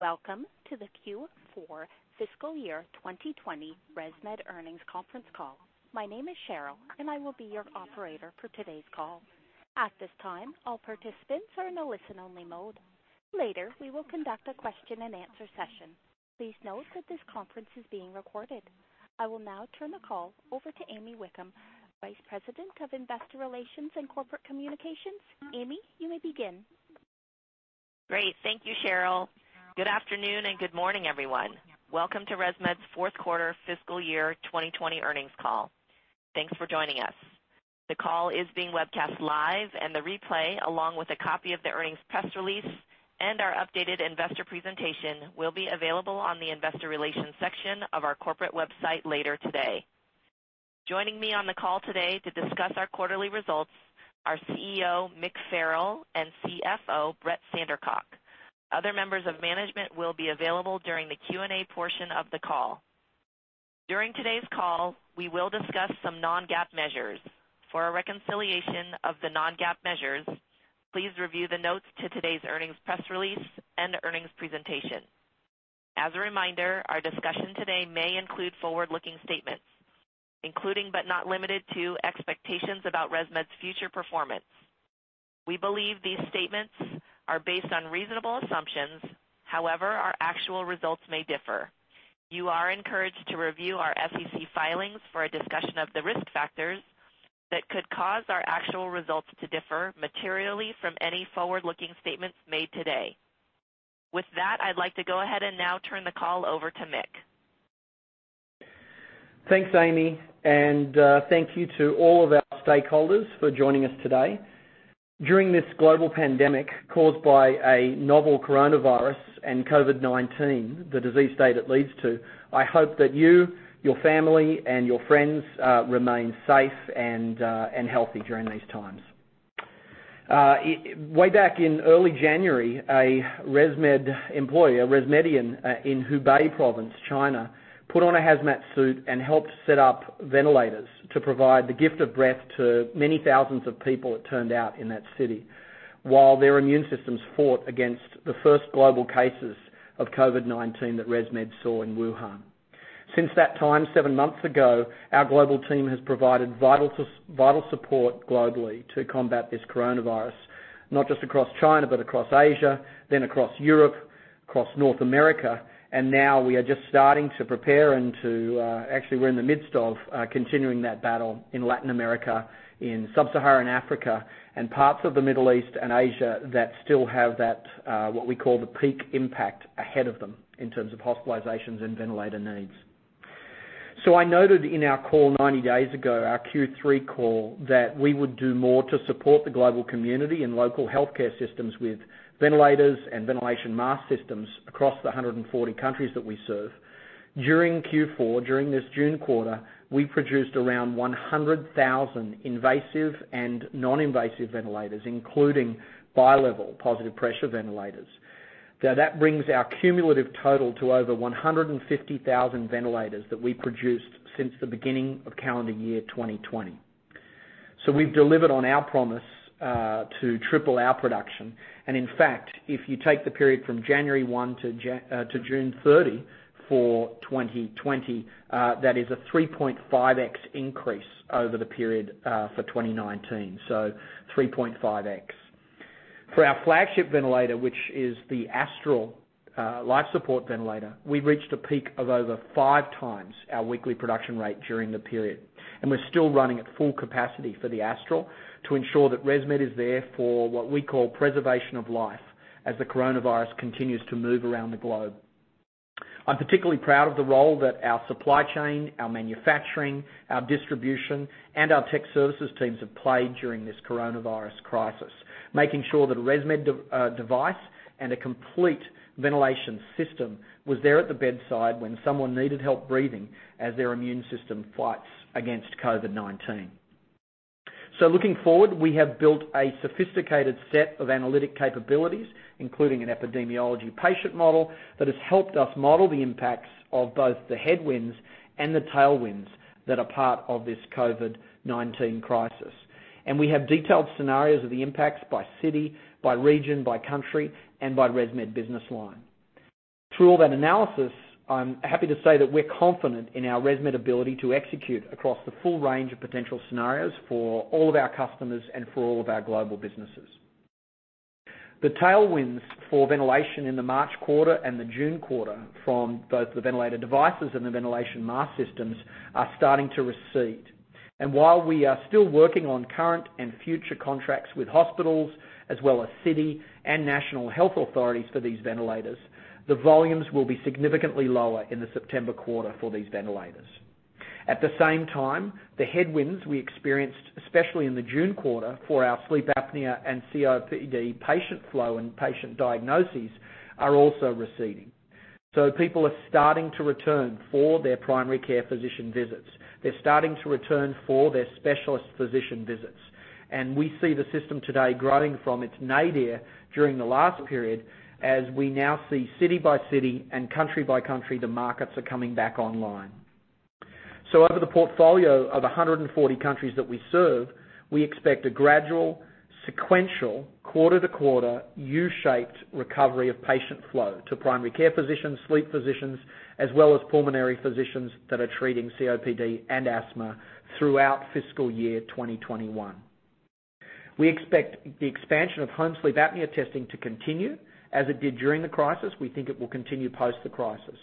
Welcome to the Q4 fiscal year 2020 ResMed earnings conference call. My name is Cheryl. I will be your Operator for today's call. At this time, all participants are in a listen only mode. Later, we will conduct a question and answer session. Please note that this conference is being recorded. I will now turn the call over to Amy Wakeham, Vice President of Investor Relations and Corporate Communications. Amy, you may begin. Great. Thank you, Cheryl. Good afternoon, and good morning, everyone. Welcome to ResMed's fourth quarter fiscal year 2020 earnings call. Thanks for joining us. The call is being webcast live, and the replay, along with a copy of the earnings press release and our updated investor presentation, will be available on the investor relations section of our corporate website later today. Joining me on the call today to discuss our quarterly results are CEO Mick Farrell and CFO Brett Sandercock. Other members of management will be available during the Q&A portion of the call. During today's call, we will discuss some non-GAAP measures. For a reconciliation of the non-GAAP measures, please review the notes to today's earnings press release and earnings presentation. As a reminder, our discussion today may include forward-looking statements, including, but not limited to, expectations about ResMed's future performance. We believe these statements are based on reasonable assumptions. However, our actual results may differ. You are encouraged to review our SEC filings for a discussion of the risk factors that could cause our actual results to differ materially from any forward-looking statements made today. With that, I'd like to go ahead and now turn the call over to Mick. Thanks, Amy. Thank you to all of our stakeholders for joining us today. During this global pandemic caused by a novel coronavirus and COVID-19, the disease state it leads to, I hope that you, your family, and your friends remain safe and healthy during these times. Way back in early January, a ResMed employee, a ResMedian in Hubei Province, China, put on a hazmat suit and helped set up ventilators to provide the gift of breath to many thousands of people, it turned out, in that city, while their immune systems fought against the first global cases of COVID-19 that ResMed saw in Wuhan. Since that time, seven months ago, our global team has provided vital support globally to combat this coronavirus, not just across China, but across Asia, across Europe, across North America. Actually, we're in the midst of continuing that battle in Latin America, in Sub-Saharan Africa, and parts of the Middle East and Asia that still have that, what we call the peak impact ahead of them in terms of hospitalizations and ventilator needs. I noted in our call 90 days ago, our Q3 call, that we would do more to support the global community and local healthcare systems with ventilators and ventilation mask systems across the 140 countries that we serve. During Q4, during this June quarter, we produced around 100,000 invasive and non-invasive ventilators, including bi-level positive pressure ventilators. That brings our cumulative total to over 150,000 ventilators that we produced since the beginning of calendar year 2020. We've delivered on our promise to triple our production. In fact, if you take the period from January 1 to June 30 for 2020, that is a 3.5x increase over the period for 2019. 3.5x. For our flagship ventilator, which is the Astral life support ventilator, we reached a peak of over 5x our weekly production rate during the period, and we're still running at full capacity for the Astral to ensure that ResMed is there for what we call preservation of life as the coronavirus continues to move around the globe. I'm particularly proud of the role that our supply chain, our manufacturing, our distribution, and our tech services teams have played during this coronavirus crisis, making sure that a ResMed device and a complete ventilation system was there at the bedside when someone needed help breathing as their immune system fights against COVID-19. Looking forward, we have built a sophisticated set of analytic capabilities, including an epidemiology patient model, that has helped us model the impacts of both the headwinds and the tailwinds that are part of this COVID-19 crisis. We have detailed scenarios of the impacts by city, by region, by country, and by ResMed business line. Through all that analysis, I'm happy to say that we're confident in our ResMed ability to execute across the full range of potential scenarios for all of our customers and for all of our global businesses. The tailwinds for ventilation in the March quarter and the June quarter from both the ventilator devices and the ventilation mask systems are starting to recede. While we are still working on current and future contracts with hospitals as well as city and national health authorities for these ventilators, the volumes will be significantly lower in the September quarter for these ventilators. At the same time, the headwinds we experienced, especially in the June quarter for our sleep apnea and COPD patient flow and patient diagnoses, are also receding. People are starting to return for their primary care physician visits. They're starting to return for their specialist physician visits. We see the system today growing from its nadir during the last period as we now see city by city and country by country, the markets are coming back online. Over the portfolio of 140 countries that we serve, we expect a gradual, sequential, quarter-to-quarter, U-shaped recovery of patient flow to primary care physicians, sleep physicians, as well as pulmonary physicians that are treating COPD and asthma throughout fiscal year 2021. We expect the expansion of home sleep apnea testing to continue as it did during the crisis. We think it will continue post the crisis.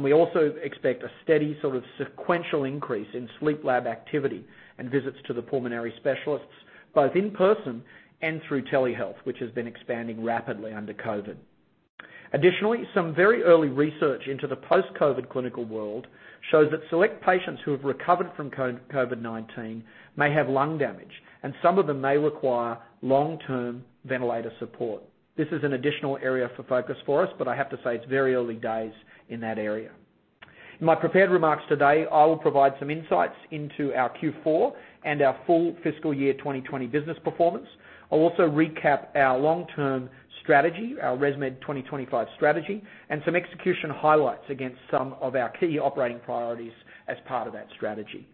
We also expect a steady sort of sequential increase in sleep lab activity and visits to the pulmonary specialists, both in person and through telehealth, which has been expanding rapidly under COVID. Additionally, some very early research into the post-COVID clinical world shows that select patients who have recovered from COVID-19 may have lung damage, and some of them may require long-term ventilator support. This is an additional area of focus for us, but I have to say it's very early days in that area. In my prepared remarks today, I will provide some insights into our Q4 and our full fiscal year 2020 business performance. I'll also recap our long-term strategy, our ResMed 2025 strategy, and some execution highlights against some of our key operating priorities as part of that strategy.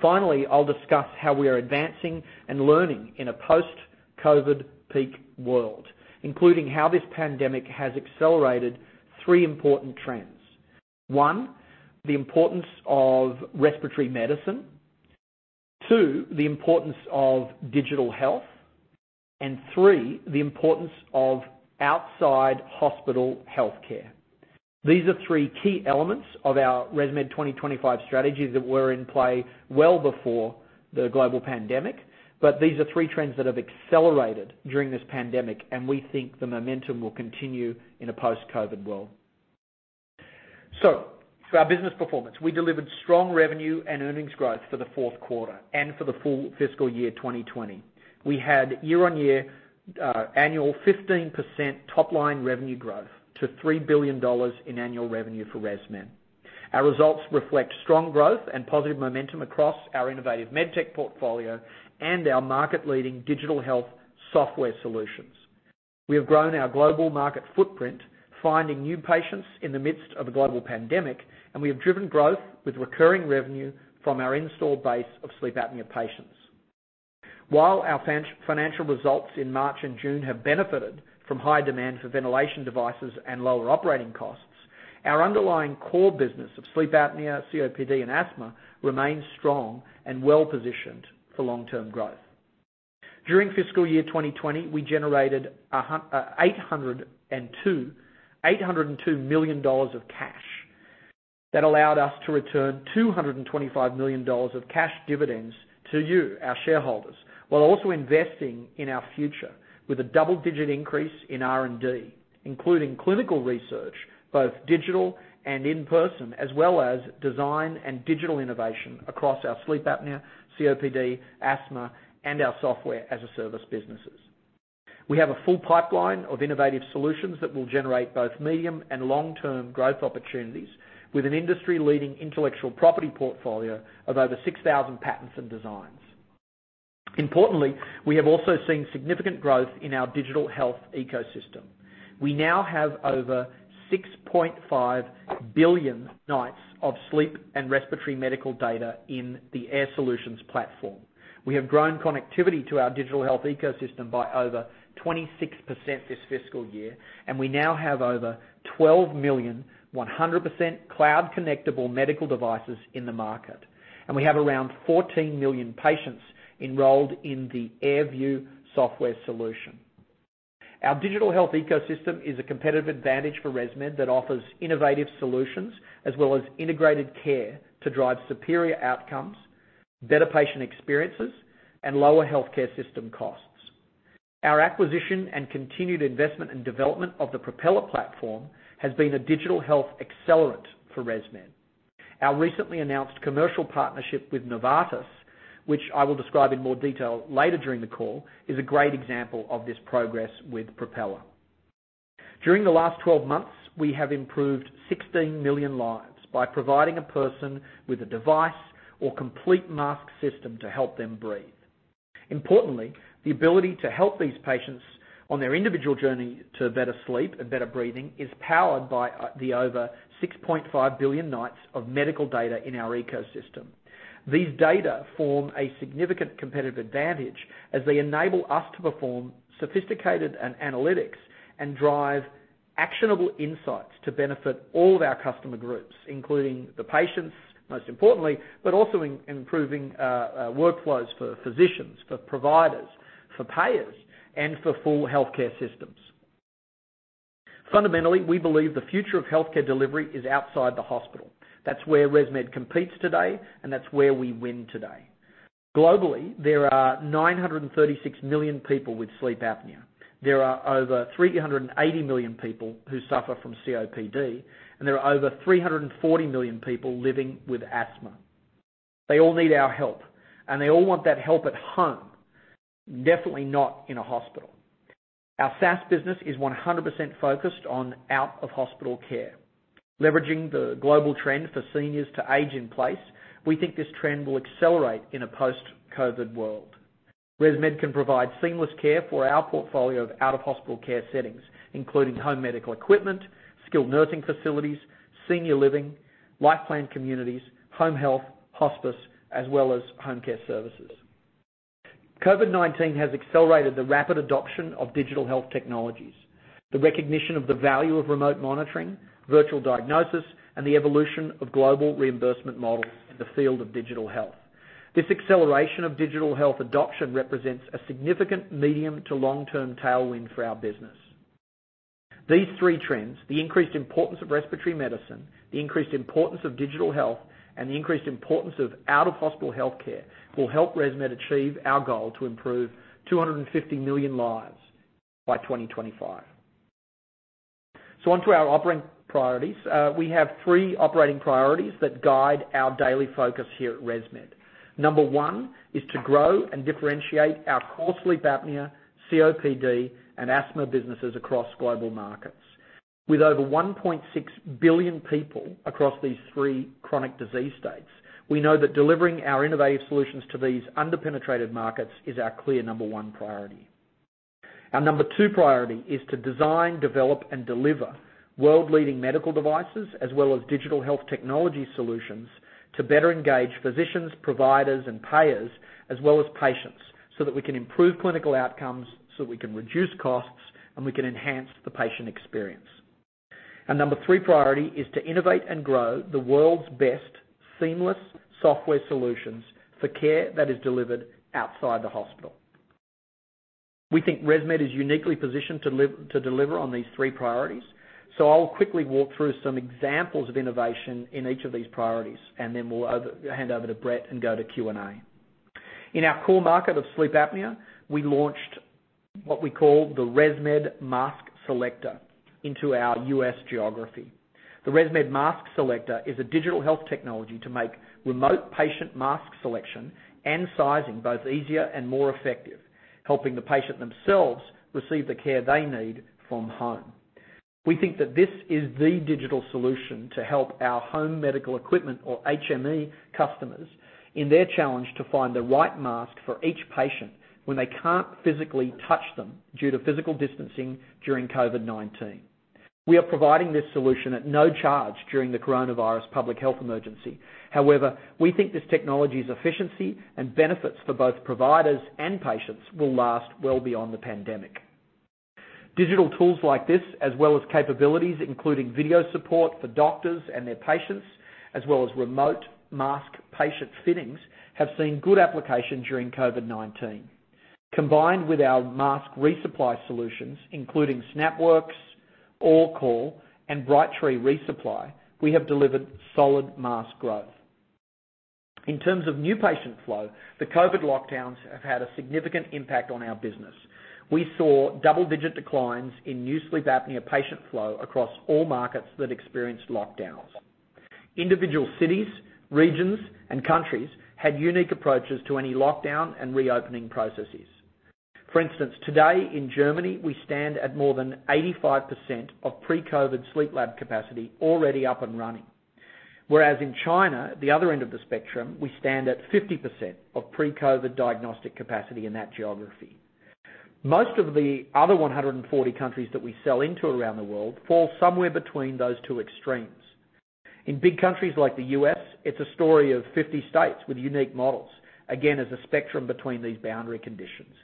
Finally, I'll discuss how we are advancing and learning in a post-COVID peak world, including how this pandemic has accelerated three important trends. One, the importance of respiratory medicine. Two, the importance of digital health. Three, the importance of outside hospital healthcare. These are three key elements of our ResMed 2025 strategy that were in play well before the global pandemic. These are three trends that have accelerated during this pandemic, and we think the momentum will continue in a post-COVID-19 world. For our business performance. We delivered strong revenue and earnings growth for the fourth quarter and for the full fiscal year 2020. We had year-on-year annual 15% top-line revenue growth to $3 billion in annual revenue for ResMed. Our results reflect strong growth and positive momentum across our innovative MedTech portfolio and our market-leading digital health software solutions. We have grown our global market footprint, finding new patients in the midst of a global pandemic, and we have driven growth with recurring revenue from our installed base of sleep apnea patients. While our financial results in March and June have benefited from high demand for ventilation devices and lower operating costs, our underlying core business of sleep apnea, COPD, and asthma remains strong and well-positioned for long-term growth. During fiscal year 2020, we generated $802 million of cash that allowed us to return $225 million of cash dividends to you, our shareholders, while also investing in our future with a double digit increase in R&D, including clinical research, both digital and in person, as well as design and digital innovation across our sleep apnea, COPD, asthma, and our Software-as-a-Service businesses. We have a full pipeline of innovative solutions that will generate both medium and long-term growth opportunities with an industry-leading intellectual property portfolio of over 6,000 patents and designs. Importantly, we have also seen significant growth in our digital health ecosystem. We now have over 6.5 billion nights of sleep and respiratory medical data in the Air Solutions platform. We have grown connectivity to our digital health ecosystem by over 26% this fiscal year, and we now have over 12 million 100% cloud connectable medical devices in the market. We have around 14 million patients enrolled in the AirView software solution. Our digital health ecosystem is a competitive advantage for ResMed that offers innovative solutions as well as integrated care to drive superior outcomes, better patient experiences, and lower healthcare system costs. Our acquisition and continued investment and development of the Propeller platform has been a digital health accelerant for ResMed. Our recently announced commercial partnership with Novartis, which I will describe in more detail later during the call, is a great example of this progress with Propeller. During the last 12 months, we have improved 16 million lives by providing a person with a device or complete mask system to help them breathe. Importantly, the ability to help these patients on their individual journey to better sleep and better breathing is powered by the over 6.5 billion nights of medical data in our ecosystem. These data form a significant competitive advantage as they enable us to perform sophisticated analytics and drive actionable insights to benefit all of our customer groups, including the patients, most importantly, but also improving workflows for physicians, for providers, for payers, and for full healthcare systems. Fundamentally, we believe the future of healthcare delivery is outside the hospital. That's where ResMed competes today, and that's where we win today. Globally, there are 936 million people with sleep apnea. There are over 380 million people who suffer from COPD. There are over 340 million people living with asthma. They all need our help, and they all want that help at home, definitely not in a hospital. Our SaaS business is 100% focused on out-of-hospital care. Leveraging the global trend for seniors to age in place, we think this trend will accelerate in a post-COVID-19 world. ResMed can provide seamless care for our portfolio of out-of-hospital care settings, including home medical equipment, skilled nursing facilities, senior living, life plan communities, home health, hospice, as well as home care services. COVID-19 has accelerated the rapid adoption of digital health technologies, the recognition of the value of remote monitoring, virtual diagnosis, and the evolution of global reimbursement models in the field of digital health. This acceleration of digital health adoption represents a significant medium to long-term tailwind for our business. These three trends, the increased importance of respiratory medicine, the increased importance of digital health, and the increased importance of out-of-hospital healthcare, will help ResMed achieve our goal to improve 250 million lives by 2025. On to our operating priorities. We have three operating priorities that guide our daily focus here at ResMed. Number one is to grow and differentiate our core sleep apnea, COPD, and asthma businesses across global markets. With over 1.6 billion people across these three chronic disease states, we know that delivering our innovative solutions to these under-penetrated markets is our clear number one priority. Our number two priority is to design, develop, and deliver world-leading medical devices, as well as digital health technology solutions, to better engage physicians, providers, and payers, as well as patients, so that we can improve clinical outcomes, so that we can reduce costs, and we can enhance the patient experience. Our number three priority is to innovate and grow the world's best seamless software solutions for care that is delivered outside the hospital. We think ResMed is uniquely positioned to deliver on these three priorities. I'll quickly walk through some examples of innovation in each of these priorities, and then we'll hand over to Brett and go to Q&A. In our core market of sleep apnea, we launched what we call the ResMed MaskSelector into our U.S. geography. The ResMed MaskSelector is a digital health technology to make remote patient mask selection and sizing both easier and more effective, helping the patient themselves receive the care they need from home. We think that this is the digital solution to help our home medical equipment or HME customers in their challenge to find the right mask for each patient when they can't physically touch them due to physical distancing during COVID-19. We are providing this solution at no charge during the coronavirus public health emergency. We think this technology's efficiency and benefits for both providers and patients will last well beyond the pandemic. Digital tools like this, as well as capabilities including video support for doctors and their patients, as well as remote mask patient fittings, have seen good application during COVID-19. Combined with our mask resupply solutions, including SnapWorx, AllCall Connect, and Brightree ReSupply, we have delivered solid mask growth. In terms of new patient flow, the COVID lockdowns have had a significant impact on our business. We saw double digit declines in new sleep apnea patient flow across all markets that experienced lockdowns. Individual cities, regions, and countries had unique approaches to any lockdown and reopening processes. For instance, today in Germany, we stand at more than 85% of pre-COVID sleep lab capacity already up and running. Whereas in China, the other end of the spectrum, we stand at 50% of pre-COVID diagnostic capacity in that geography. Most of the other 140 countries that we sell into around the world fall somewhere between those two extremes. In big countries like the U.S., it's a story of 50 states with unique models, again, as a spectrum between these boundary conditions.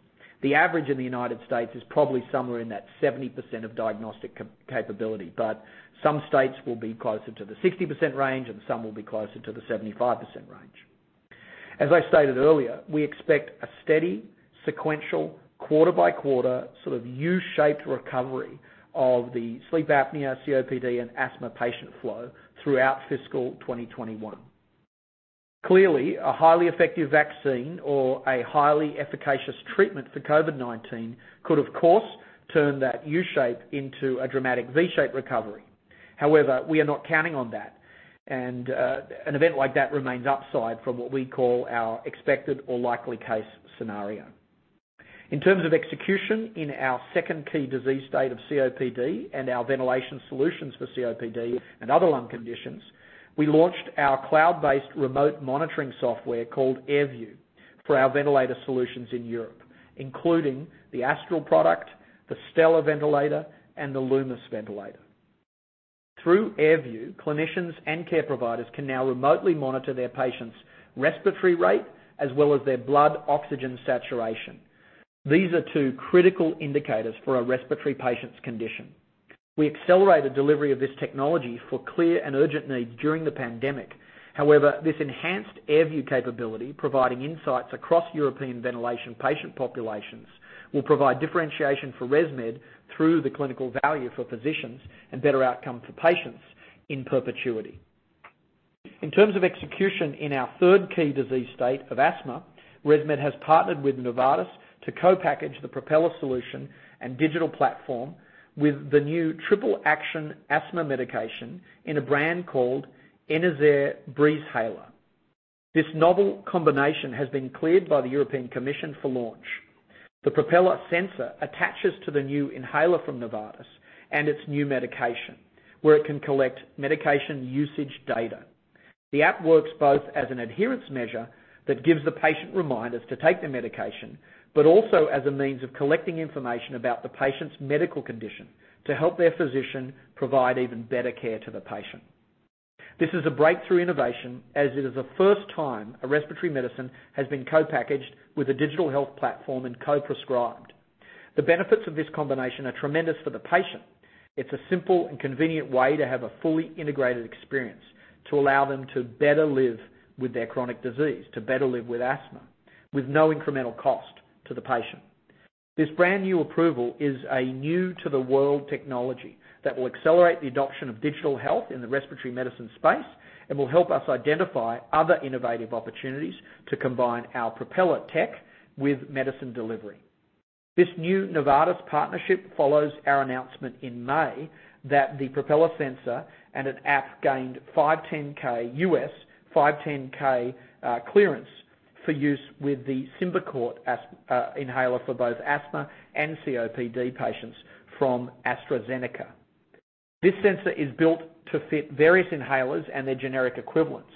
The average in the U.S. is probably somewhere in that 70% of diagnostic capability, but some states will be closer to the 60% range, and some will be closer to the 75% range. As I stated earlier, we expect a steady, sequential, quarter-by-quarter, sort of U-shaped recovery of the sleep apnea, COPD, and asthma patient flow throughout fiscal 2021. Clearly, a highly effective vaccine or a highly efficacious treatment for COVID-19 could, of course, turn that U-shaped into a dramatic V-shaped recovery. We are not counting on that, and an event like that remains upside from what we call our expected or likely case scenario. In terms of execution in our second key disease state of COPD and our ventilation solutions for COPD and other lung conditions, we launched our cloud-based remote monitoring software called AirView for our ventilator solutions in Europe, including the Astral product, the Stellar ventilator, and the Lumis ventilator. Through AirView, clinicians and care providers can now remotely monitor their patients' respiratory rate, as well as their blood oxygen saturation. These are two critical indicators for a respiratory patient's condition. We accelerated delivery of this technology for clear and urgent need during the pandemic. This enhanced AirView capability, providing insights across European ventilation patient populations, will provide differentiation for ResMed through the clinical value for physicians and better outcome for patients in perpetuity. In terms of execution in our third key disease state of asthma, ResMed has partnered with Novartis to co-package the Propeller solution and digital platform with the new triple action asthma medication in a brand called Enerzair Breezhaler. This novel combination has been cleared by the European Commission for launch. The Propeller sensor attaches to the new inhaler from Novartis and its new medication, where it can collect medication usage data. The app works both as an adherence measure that gives the patient reminders to take their medication, but also as a means of collecting information about the patient's medical condition to help their physician provide even better care to the patient. This is a breakthrough innovation, as it is the first time a respiratory medicine has been co-packaged with a digital health platform and co-prescribed. The benefits of this combination are tremendous for the patient. It's a simple and convenient way to have a fully integrated experience to allow them to better live with their chronic disease, to better live with asthma, with no incremental cost to the patient. This brand-new approval is a new-to-the-world technology that will accelerate the adoption of digital health in the respiratory medicine space and will help us identify other innovative opportunities to combine our Propeller tech with medicine delivery. This new Novartis partnership follows our announcement in May that the Propeller sensor and an app gained U.S. 510(k) clearance for use with the SYMBICORT inhaler for both asthma and COPD patients from AstraZeneca. This sensor is built to fit various inhalers and their generic equivalents.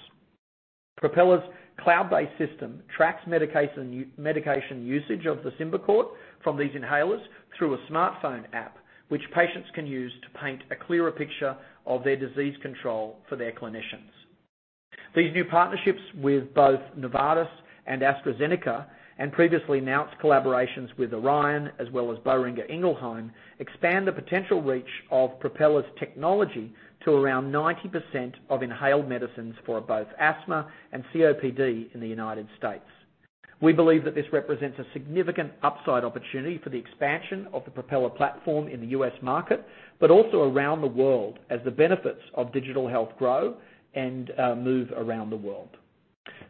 Propeller's cloud-based system tracks medication usage of the SYMBICORT from these inhalers through a smartphone app, which patients can use to paint a clearer picture of their disease control for their clinicians. These new partnerships with both Novartis and AstraZeneca, and previously announced collaborations with Orion, as well as Boehringer Ingelheim, expand the potential reach of Propeller's technology to around 90% of inhaled medicines for both asthma and COPD in the United States. We believe that this represents a significant upside opportunity for the expansion of the Propeller platform in the U.S. market, but also around the world as the benefits of digital health grow and move around the world.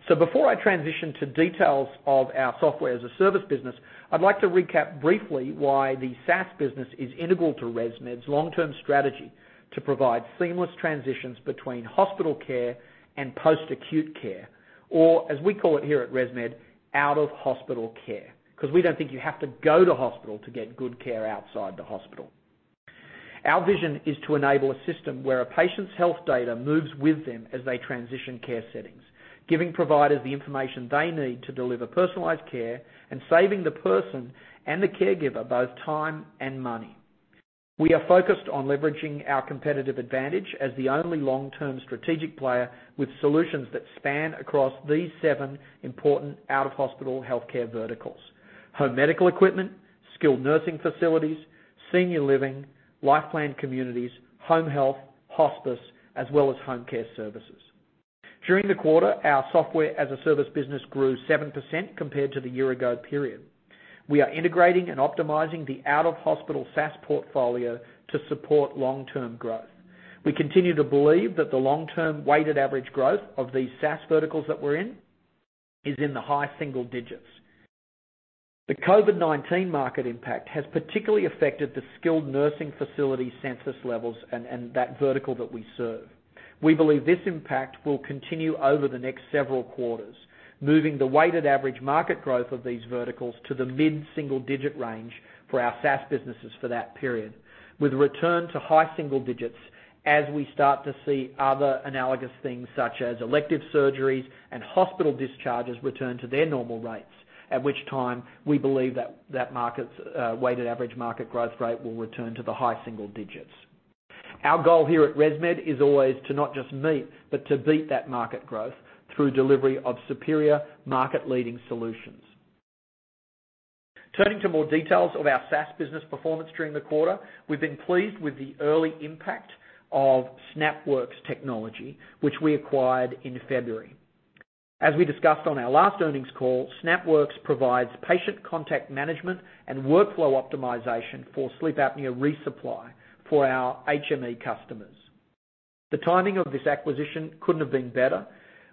Before I transition to details of our software as a service business, I'd like to recap briefly why the SaaS business is integral to ResMed's long-term strategy to provide seamless transitions between hospital care and post-acute care, or, as we call it here at ResMed, out-of-hospital care, because we don't think you have to go to hospital to get good care outside the hospital. Our vision is to enable a system where a patient's health data moves with them as they transition care settings, giving providers the information they need to deliver personalized care and saving the person and the caregiver both time and money. We are focused on leveraging our competitive advantage as the only long-term strategic player with solutions that span across these seven important out-of-hospital healthcare verticals: home medical equipment, skilled nursing facilities, senior living, life plan communities, home health, hospice, as well as home care services. During the quarter, our Software-as-a-Service business grew 7% compared to the year-ago period. We are integrating and optimizing the out-of-hospital SaaS portfolio to support long-term growth. We continue to believe that the long-term weighted average growth of these SaaS verticals that we're in is in the high-single digits. The COVID-19 market impact has particularly affected the skilled nursing facility census levels and that vertical that we serve. We believe this impact will continue over the next several quarters, moving the weighted average market growth of these verticals to the mid-single digit range for our SaaS businesses for that period, with return to high-single digits as we start to see other analogous things, such as elective surgeries and hospital discharges, return to their normal rates, at which time we believe that that market's weighted average market growth rate will return to the high-single digits. Our goal here at ResMed is always to not just meet, but to beat that market growth through delivery of superior market-leading solutions. Turning to more details of our SaaS business performance during the quarter, we've been pleased with the early impact of SnapWorx technology, which we acquired in February. As we discussed on our last earnings call, SnapWorx provides patient contact management and workflow optimization for sleep apnea resupply for our HME customers. The timing of this acquisition couldn't have been better.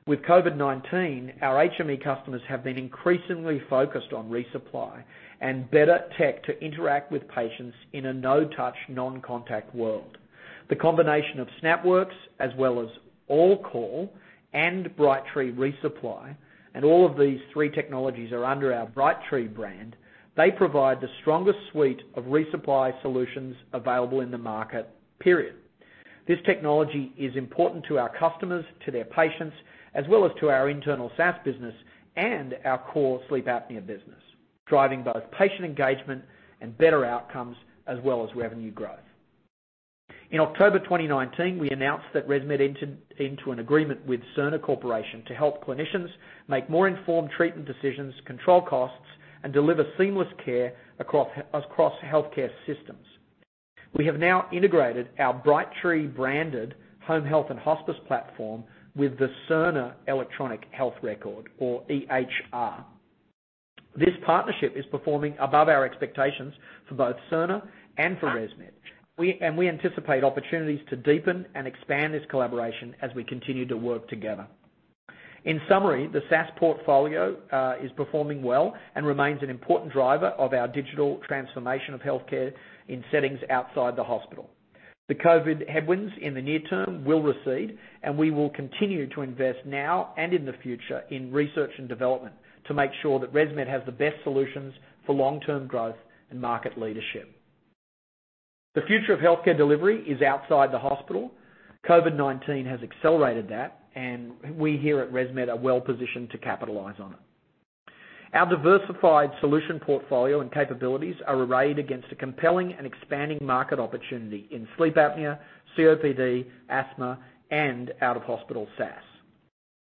With COVID-19, our HME customers have been increasingly focused on resupply and better tech to interact with patients in a no-touch, non-contact world. The combination of SnapWorx as well as AllCall and Brightree ReSupply, and all of these three technologies are under our Brightree brand, they provide the strongest suite of resupply solutions available in the market, period. This technology is important to our customers, to their patients, as well as to our internal SaaS business and our core sleep apnea business, driving both patient engagement and better outcomes, as well as revenue growth. In October 2019, we announced that ResMed entered into an agreement with Cerner Corporation to help clinicians make more informed treatment decisions, control costs, and deliver seamless care across healthcare systems. We have now integrated our Brightree-branded home health and hospice platform with the Cerner Electronic Health Record, or EHR. We anticipate opportunities to deepen and expand this collaboration as we continue to work together. In summary, the SaaS portfolio is performing well and remains an important driver of our digital transformation of healthcare in settings outside the hospital. The COVID headwinds in the near term will recede, and we will continue to invest now and in the future in research and development to make sure that ResMed has the best solutions for long-term growth and market leadership. The future of healthcare delivery is outside the hospital. COVID-19 has accelerated that. We here at ResMed are well positioned to capitalize on it. Our diversified solution portfolio and capabilities are arrayed against a compelling and expanding market opportunity in sleep apnea, COPD, asthma, and out-of-hospital SaaS.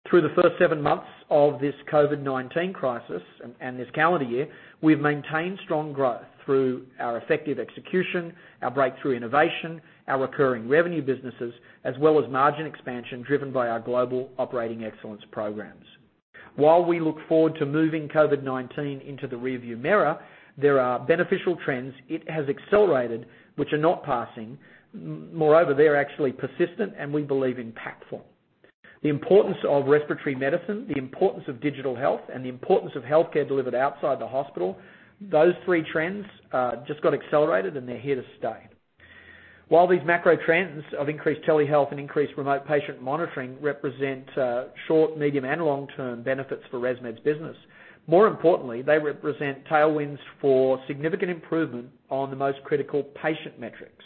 Through the first seven months of this COVID-19 crisis and this calendar year, we've maintained strong growth through our effective execution, our breakthrough innovation, our recurring revenue businesses, as well as margin expansion driven by our global operating excellence programs. While we look forward to moving COVID-19 into the rearview mirror, there are beneficial trends it has accelerated which are not passing. They're actually persistent, and we believe impactful. The importance of respiratory medicine, the importance of digital health, and the importance of healthcare delivered outside the hospital, those three trends just got accelerated and they're here to stay. While these macro trends of increased telehealth and increased remote patient monitoring represent short, medium, and long-term benefits for ResMed's business, more importantly, they represent tailwinds for significant improvement on the most critical patient metrics.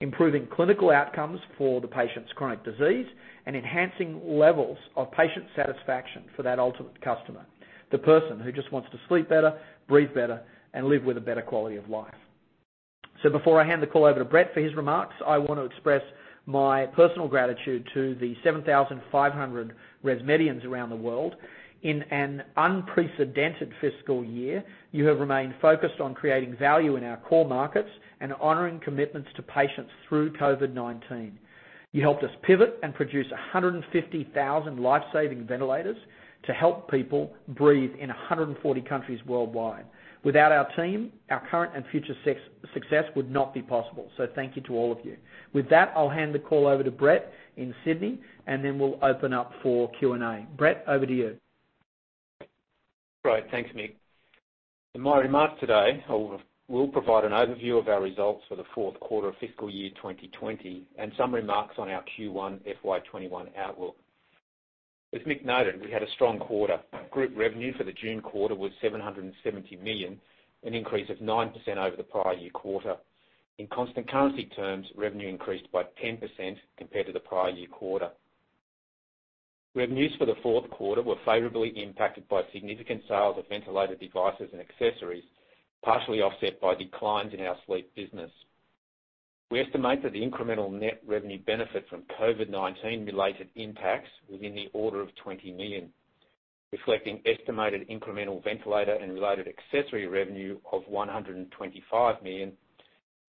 Improving clinical outcomes for the patient's chronic disease and enhancing levels of patient satisfaction for that ultimate customer, the person who just wants to sleep better, breathe better, and live with a better quality of life. Before I hand the call over to Brett for his remarks, I want to express my personal gratitude to the 7,500 ResMedians around the world. In an unprecedented fiscal year, you have remained focused on creating value in our core markets and honoring commitments to patients through COVID-19. You helped us pivot and produce 150,000 life-saving ventilators to help people breathe in 140 countries worldwide. Without our team, our current and future success would not be possible. Thank you to all of you. With that, I'll hand the call over to Brett in Sydney. We'll open up for Q&A. Brett, over to you. Great. Thanks, Mick. In my remarks today, I will provide an overview of our results for the fourth quarter of FY 2020 and some remarks on our Q1 FY 2021 outlook. As Mick noted, we had a strong quarter. Group revenue for the June quarter was $770 million, an increase of 9% over the prior year quarter. In constant currency terms, revenue increased by 10% compared to the prior year quarter. Revenues for the fourth quarter were favorably impacted by significant sales of ventilator devices and accessories, partially offset by declines in our sleep business. We estimate that the incremental net revenue benefit from COVID-19 related impacts was in the order of $20 million, reflecting estimated incremental ventilator and related accessory revenue of $125 million,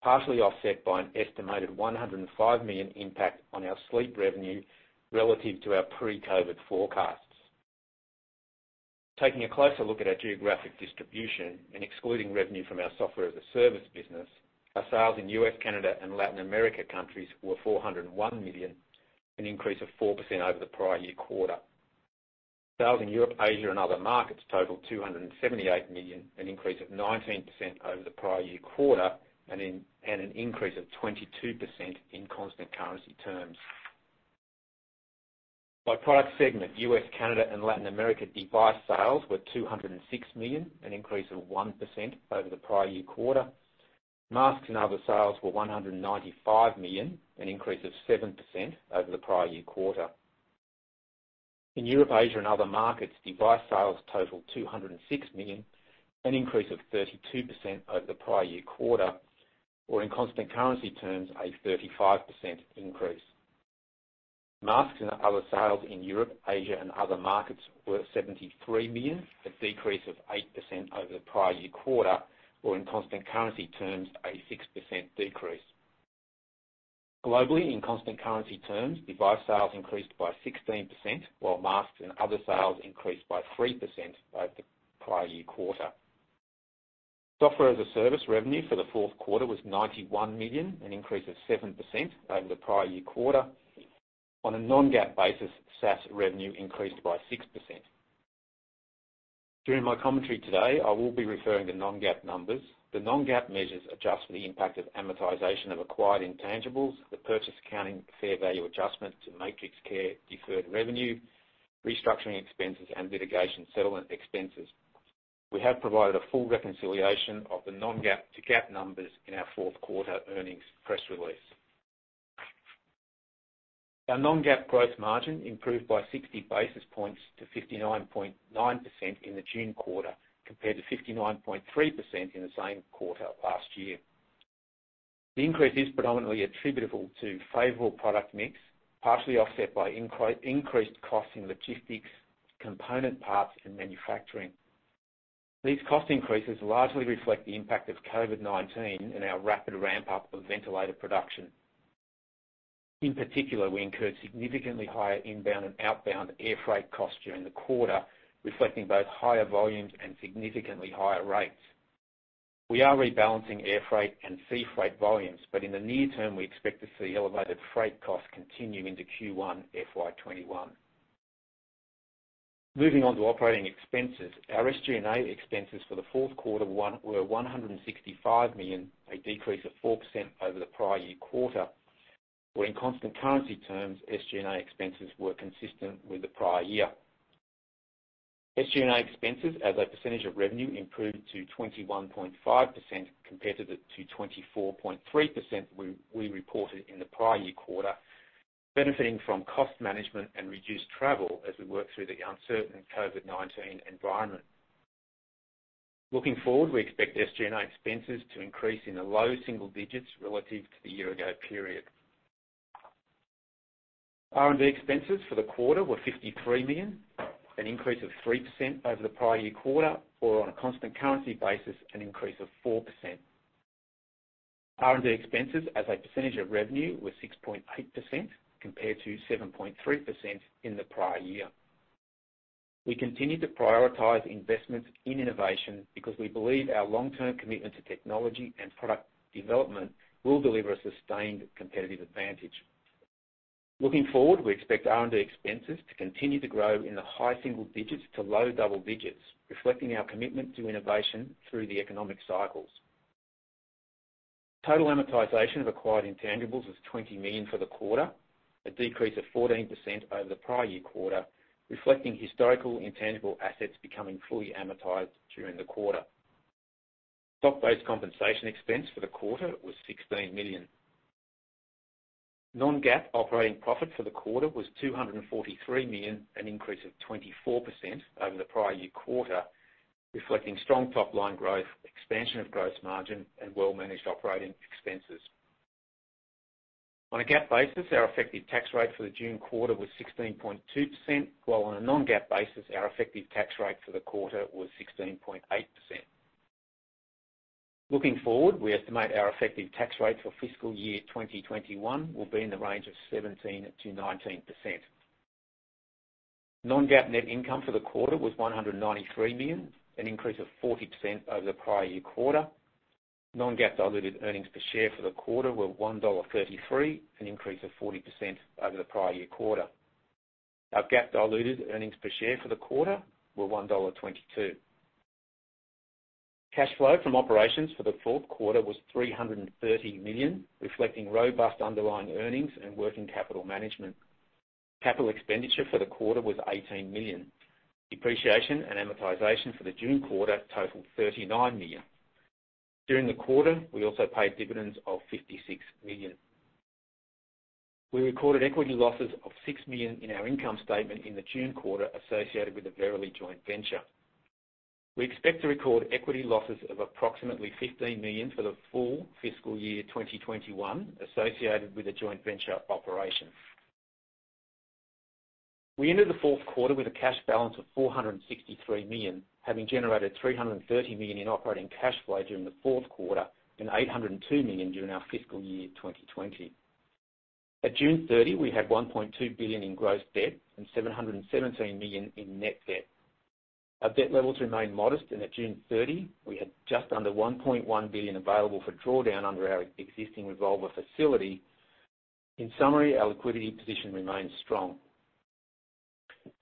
partially offset by an estimated $105 million impact on our sleep revenue relative to our pre-COVID forecasts. Taking a closer look at our geographic distribution and excluding revenue from our Software-as-a-Service business, our sales in U.S., Canada, and Latin America countries were $401 million, an increase of 4% over the prior year quarter. Sales in Europe, Asia, and other markets totaled $278 million, an increase of 19% over the prior year quarter and an increase of 22% in constant currency terms. By product segment, U.S., Canada, and Latin America device sales were $206 million, an increase of 1% over the prior year quarter. Masks and other sales were $195 million, an increase of 7% over the prior year quarter. In Europe, Asia, and other markets, device sales totaled $206 million, an increase of 32% over the prior year quarter, or in constant currency terms, a 35% increase. Masks and other sales in Europe, Asia, and other markets were $73 million, a decrease of 8% over the prior year quarter, or in constant currency terms, a 6% decrease. Globally, in constant currency terms, device sales increased by 16%, while masks and other sales increased by 3% over the prior year quarter. Software-as-a-service revenue for the fourth quarter was $91 million, an increase of 7% over the prior year quarter. On a non-GAAP basis, SaaS revenue increased by 6%. During my commentary today, I will be referring to non-GAAP numbers. The non-GAAP measures adjust for the impact of amortization of acquired intangibles, the purchase accounting fair value adjustments to MatrixCare deferred revenue, restructuring expenses, and litigation settlement expenses. We have provided a full reconciliation of the non-GAAP to GAAP numbers in our fourth quarter earnings press release. Our non-GAAP gross margin improved by 60 basis points to 59.9% in the June quarter, compared to 59.3% in the same quarter last year. The increase is predominantly attributable to favorable product mix, partially offset by increased costs in logistics, component parts, and manufacturing. These cost increases largely reflect the impact of COVID-19 and our rapid ramp-up of ventilator production. In particular, we incurred significantly higher inbound and outbound airfreight costs during the quarter, reflecting both higher volumes and significantly higher rates. We are rebalancing airfreight and sea freight volumes, but in the near term, we expect to see elevated freight costs continue into Q1 FY 2021. Moving on to operating expenses. Our SG&A expenses for the fourth quarter were $165 million, a decrease of 4% over the prior year quarter, where in constant currency terms, SG&A expenses were consistent with the prior year. SG&A expenses as a percentage of revenue improved to 21.5% compared to 24.3% we reported in the prior year quarter, benefiting from cost management and reduced travel as we work through the uncertain COVID-19 environment. Looking forward, we expect SG&A expenses to increase in the low-single digits relative to the year ago period. R&D expenses for the quarter were $53 million, an increase of 3% over the prior year quarter, or on a constant currency basis, an increase of 4%. R&D expenses as a percentage of revenue were 6.8% compared to 7.3% in the prior year. We continue to prioritize investments in innovation because we believe our long-term commitment to technology and product development will deliver a sustained competitive advantage. Looking forward, we expect R&D expenses to continue to grow in the high-single digits to low-double digits, reflecting our commitment to innovation through the economic cycles. Total amortization of acquired intangibles was $20 million for the quarter, a decrease of 14% over the prior year quarter, reflecting historical intangible assets becoming fully amortized during the quarter. Stock-based compensation expense for the quarter was $16 million. Non-GAAP operating profit for the quarter was $243 million, an increase of 24% over the prior year quarter, reflecting strong top-line growth, expansion of gross margin and well-managed operating expenses. On a GAAP basis, our effective tax rate for the June quarter was 16.2%, while on a non-GAAP basis, our effective tax rate for the quarter was 16.8%. Looking forward, we estimate our effective tax rate for fiscal year 2021 will be in the range of 17%-19%. Non-GAAP net income for the quarter was $193 million, an increase of 40% over the prior year quarter. Non-GAAP diluted earnings per share for the quarter were $1.33, an increase of 40% over the prior year quarter. Our GAAP diluted earnings per share for the quarter were $1.22. Cash flow from operations for the fourth quarter was $330 million, reflecting robust underlying earnings and working capital management. Capital expenditure for the quarter was $18 million. Depreciation and amortization for the June quarter totaled $39 million. During the quarter, we also paid dividends of $56 million. We recorded equity losses of $6 million in our income statement in the June quarter associated with the Verily joint venture. We expect to record equity losses of approximately $15 million for the full fiscal year 2021 associated with the joint venture operations. We ended the fourth quarter with a cash balance of $463 million, having generated $330 million in operating cash flow during the fourth quarter and $802 million during our fiscal year 2020. At June 30, we had $1.2 billion in gross debt and $717 million in net debt. Our debt levels remain modest. At June 30, we had just under $1.1 billion available for drawdown under our existing revolver facility. In summary, our liquidity position remains strong.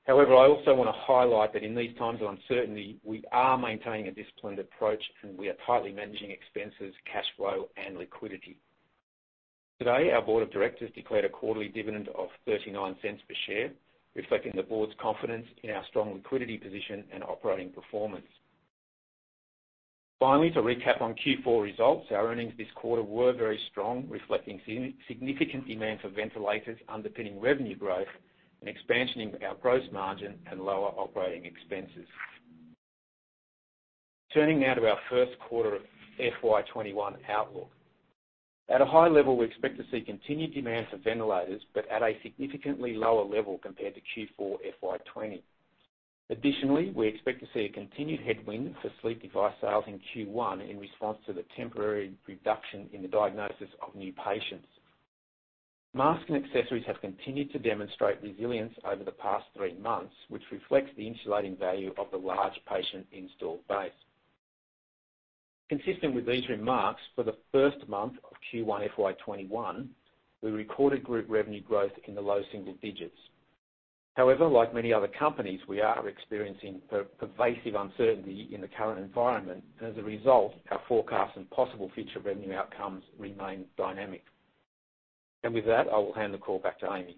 However, I also want to highlight that in these times of uncertainty, we are maintaining a disciplined approach, and we are tightly managing expenses, cash flow and liquidity. Today, our Board of Directors declared a quarterly dividend of $0.39 per share, reflecting the Board's confidence in our strong liquidity position and operating performance. Finally, to recap on Q4 results, our earnings this quarter were very strong, reflecting significant demand for ventilators underpinning revenue growth and expansion in our gross margin and lower operating expenses. Turning now to our first quarter of FY 2021 outlook. At a high level, we expect to see continued demand for ventilators, at a significantly lower level compared to Q4 FY 2020. Additionally, we expect to see a continued headwind for sleep device sales in Q1 in response to the temporary reduction in the diagnosis of new patients. Mask and accessories have continued to demonstrate resilience over the past three months, which reflects the insulating value of the large patient installed base. Consistent with these remarks, for the first month of Q1 FY 2021, we recorded group revenue growth in the low single digits. Like many other companies, we are experiencing pervasive uncertainty in the current environment. As a result, our forecasts and possible future revenue outcomes remain dynamic. With that, I will hand the call back to Amy.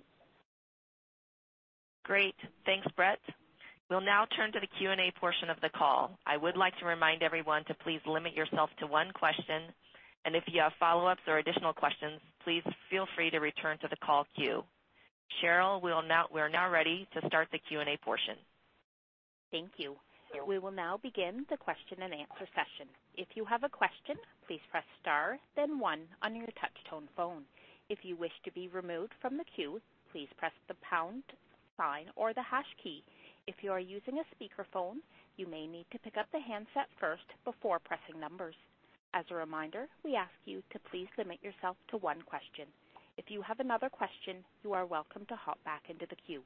Great. Thanks, Brett. We'll now turn to the Q&A portion of the call. I would like to remind everyone to please limit yourself to one question. If you have follow-ups or additional questions, please feel free to return to the call queue. Cheryl, we are now ready to start the Q&A portion. Thank you. We will now begin the question and answer session. If you have a question, please press star then one on your touch tone phone. If you wish to be removed from the queue, please press the pound sign or the hash key. If you are using a speakerphone, you may need to pick up the handset first before pressing numbers. As a reminder, we ask you to please limit yourself to one question. If you have another question, you are welcome to hop back into the queue.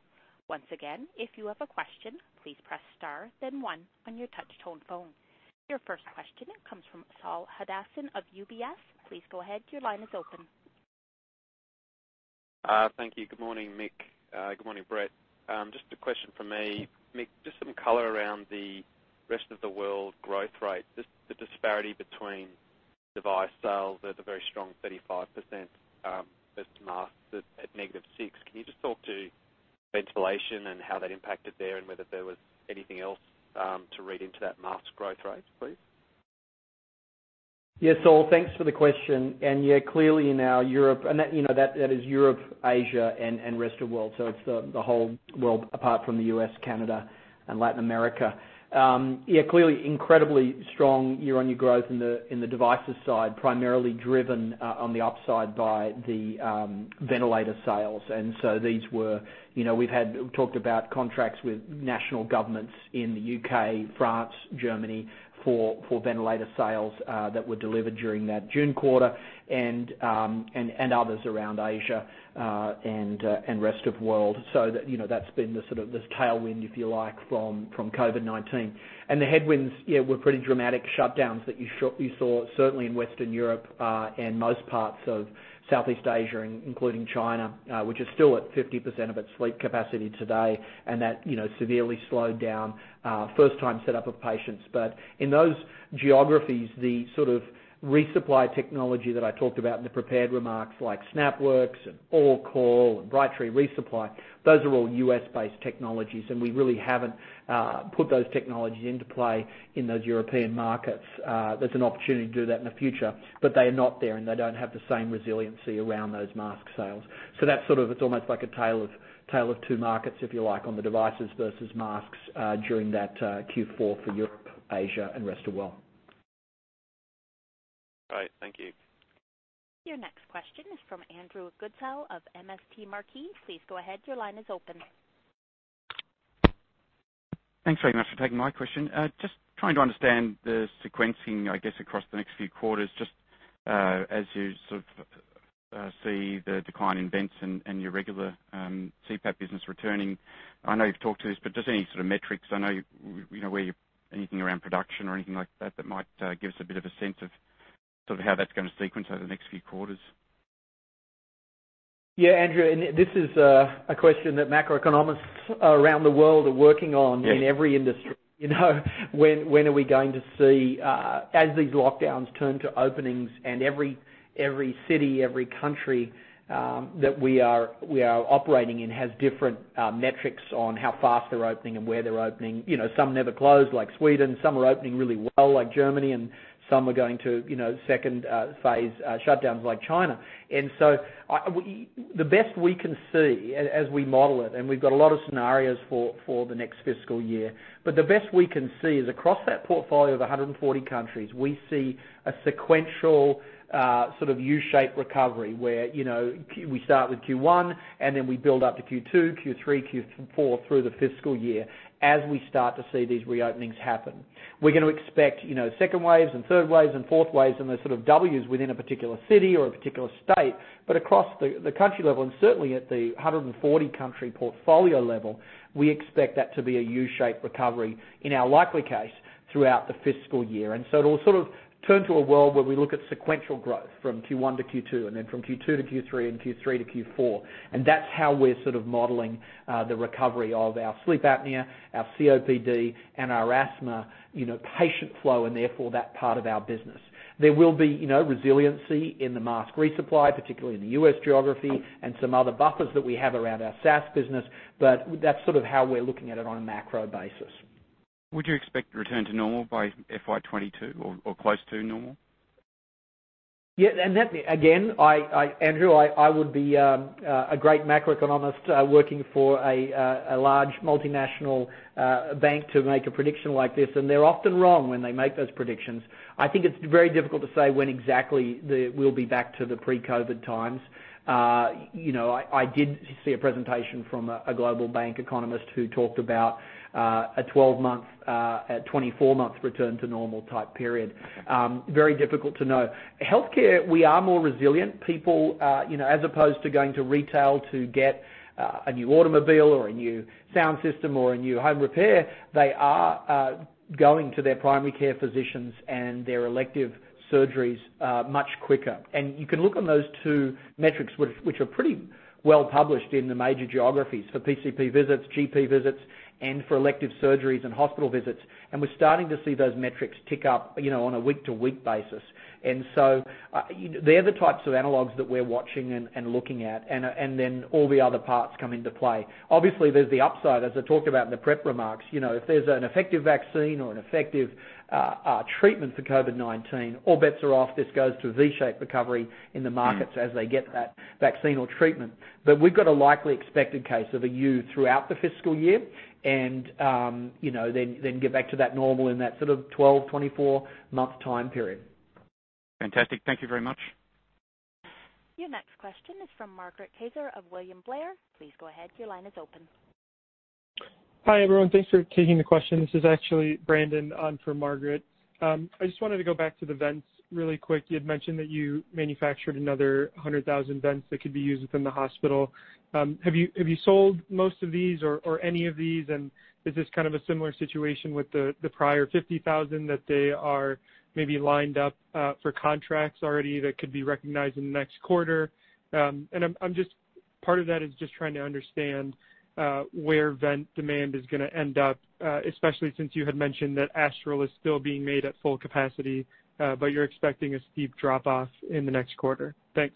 Once again, if you have a question, please press star then one on your touch tone phone. Your first question comes from Saul Hadassin of UBS. Please go ahead. Your line is open Thank you. Good morning, Mick. Good morning, Brett. Just a question from me. Mick, just some color around the rest of the world growth rate. Just the disparity between device sales at a very strong 35%, versus masks at -6%. Can you just talk to ventilation and how that impacted there, and whether there was anything else to read into that mask growth rate, please? Yeah, Saul, thanks for the question. Yeah, clearly now Europe, and that is Europe, Asia, and rest of world. It's the whole world apart from the U.S., Canada, and Latin America. Yeah, clearly incredibly strong year-on-year growth in the devices side, primarily driven on the upside by the ventilator sales. These were, we've talked about contracts with national governments in the U.K., France, Germany for ventilator sales that were delivered during that June quarter and others around Asia and rest of world. That's been the sort of this tailwind, if you like, from COVID-19. The headwinds, yeah, were pretty dramatic shutdowns that you saw certainly in Western Europe, and most parts of Southeast Asia, including China, which is still at 50% of its sleep capacity today. That severely slowed down first time set up of patients. In those geographies, the sort of resupply technology that I talked about in the prepared remarks, like SnapWorx and AllCall, and Brightree ReSupply, those are all U.S.-based technologies, and we really haven't put those technologies into play in those European markets. There's an opportunity to do that in the future, but they are not there, and they don't have the same resiliency around those mask sales. That's sort of, it's almost like a tale of two markets, if you like, on the devices versus masks, during that Q4 for Europe, Asia, and rest of world. All right. Thank you. Your next question is from Andrew Goodsall of MST Marquee. Please go ahead. Your line is open. Thanks very much for taking my question. Just trying to understand the sequencing, I guess, across the next few quarters, just, as you sort of see the decline in vents and your regular CPAP business returning. I know you've talked to this, just any sort of metrics. I know anything around production or anything like that that might give us a bit of a sense of how that's going to sequence over the next few quarters? Yeah, Andrew, this is a question that macroeconomists around the world are working on. Yeah. In every industry, when are we going to see, as these lockdowns turn to openings, and every city, every country, that we are operating in has different metrics on how fast they're opening and where they're opening. Some never closed, like Sweden. Some are opening really well, like Germany, and some are going to second phase shutdowns, like China. The best we can see as we model it, and we've got a lot of scenarios for the next fiscal year, but the best we can see is across that portfolio of 140 countries, we see a sequential, sort of U-shaped recovery where we start with Q1, and then we build up to Q2, Q3, Q4 through the fiscal year, as we start to see these reopenings happen. We're going to expect second waves and third waves and fourth waves, and they're sort of W's within a particular city or a particular state. Across the country level, and certainly at the 140-country portfolio level, we expect that to be a U-shaped recovery in our likely case throughout the fiscal year. It'll sort of turn to a world where we look at sequential growth from Q1-Q2, and then from Q2-Q3 and Q3-Q4. That's how we're sort of modeling the recovery of our sleep apnea, our COPD, and our asthma patient flow and therefore that part of our business. There will be resiliency in the mask resupply, particularly in the U.S. geography, and some other buffers that we have around our SaaS business, but that's sort of how we're looking at it on a macro basis. Would you expect to return to normal by FY 2022 or close to normal? Yeah. Again, Andrew, I would be a great macroeconomist, working for a large multinational bank to make a prediction like this, and they're often wrong when they make those predictions. I think it's very difficult to say when exactly we'll be back to the pre-COVID times. I did see a presentation from a global bank economist who talked about a 12-month, 24-months return to normal type period. Very difficult to know. Healthcare, we are more resilient. People, as opposed to going to retail to get a new automobile or a new sound system or a new home repair, they are going to their primary care physicians and their elective surgeries much quicker. You can look on those two metrics, which are pretty well published in the major geographies for PCP visits, GP visits, and for elective surgeries and hospital visits. We're starting to see those metrics tick up on a week-to-week basis. They're the types of analogs that we're watching and looking at, and then all the other parts come into play. Obviously, there's the upside, as I talked about in the prep remarks. If there's an effective vaccine or an effective treatment for COVID-19, all bets are off. This goes to a V-shaped recovery in the markets as they get that vaccine or treatment. We've got a likely expected case of a U throughout the fiscal year, and then get back to that normal in that sort of 12-, 24-month time period. Fantastic. Thank you very much. Your next question is from Margaret Kaczor of William Blair. Please go ahead. Your line is open. Hi, everyone. Thanks for taking the question. This is actually Brandon, on for Margaret. I just wanted to go back to the vents really quick. You had mentioned that you manufactured another 100,000 vents that could be used within the hospital. Have you sold most of these or any of these? Is this kind of a similar situation with the prior 50,000 that they are maybe lined up for contracts already that could be recognized in the next quarter? Part of that is just trying to understand where vent demand is going to end up, especially since you had mentioned that Astral is still being made at full capacity, but you're expecting a steep drop-off in the next quarter? Thanks.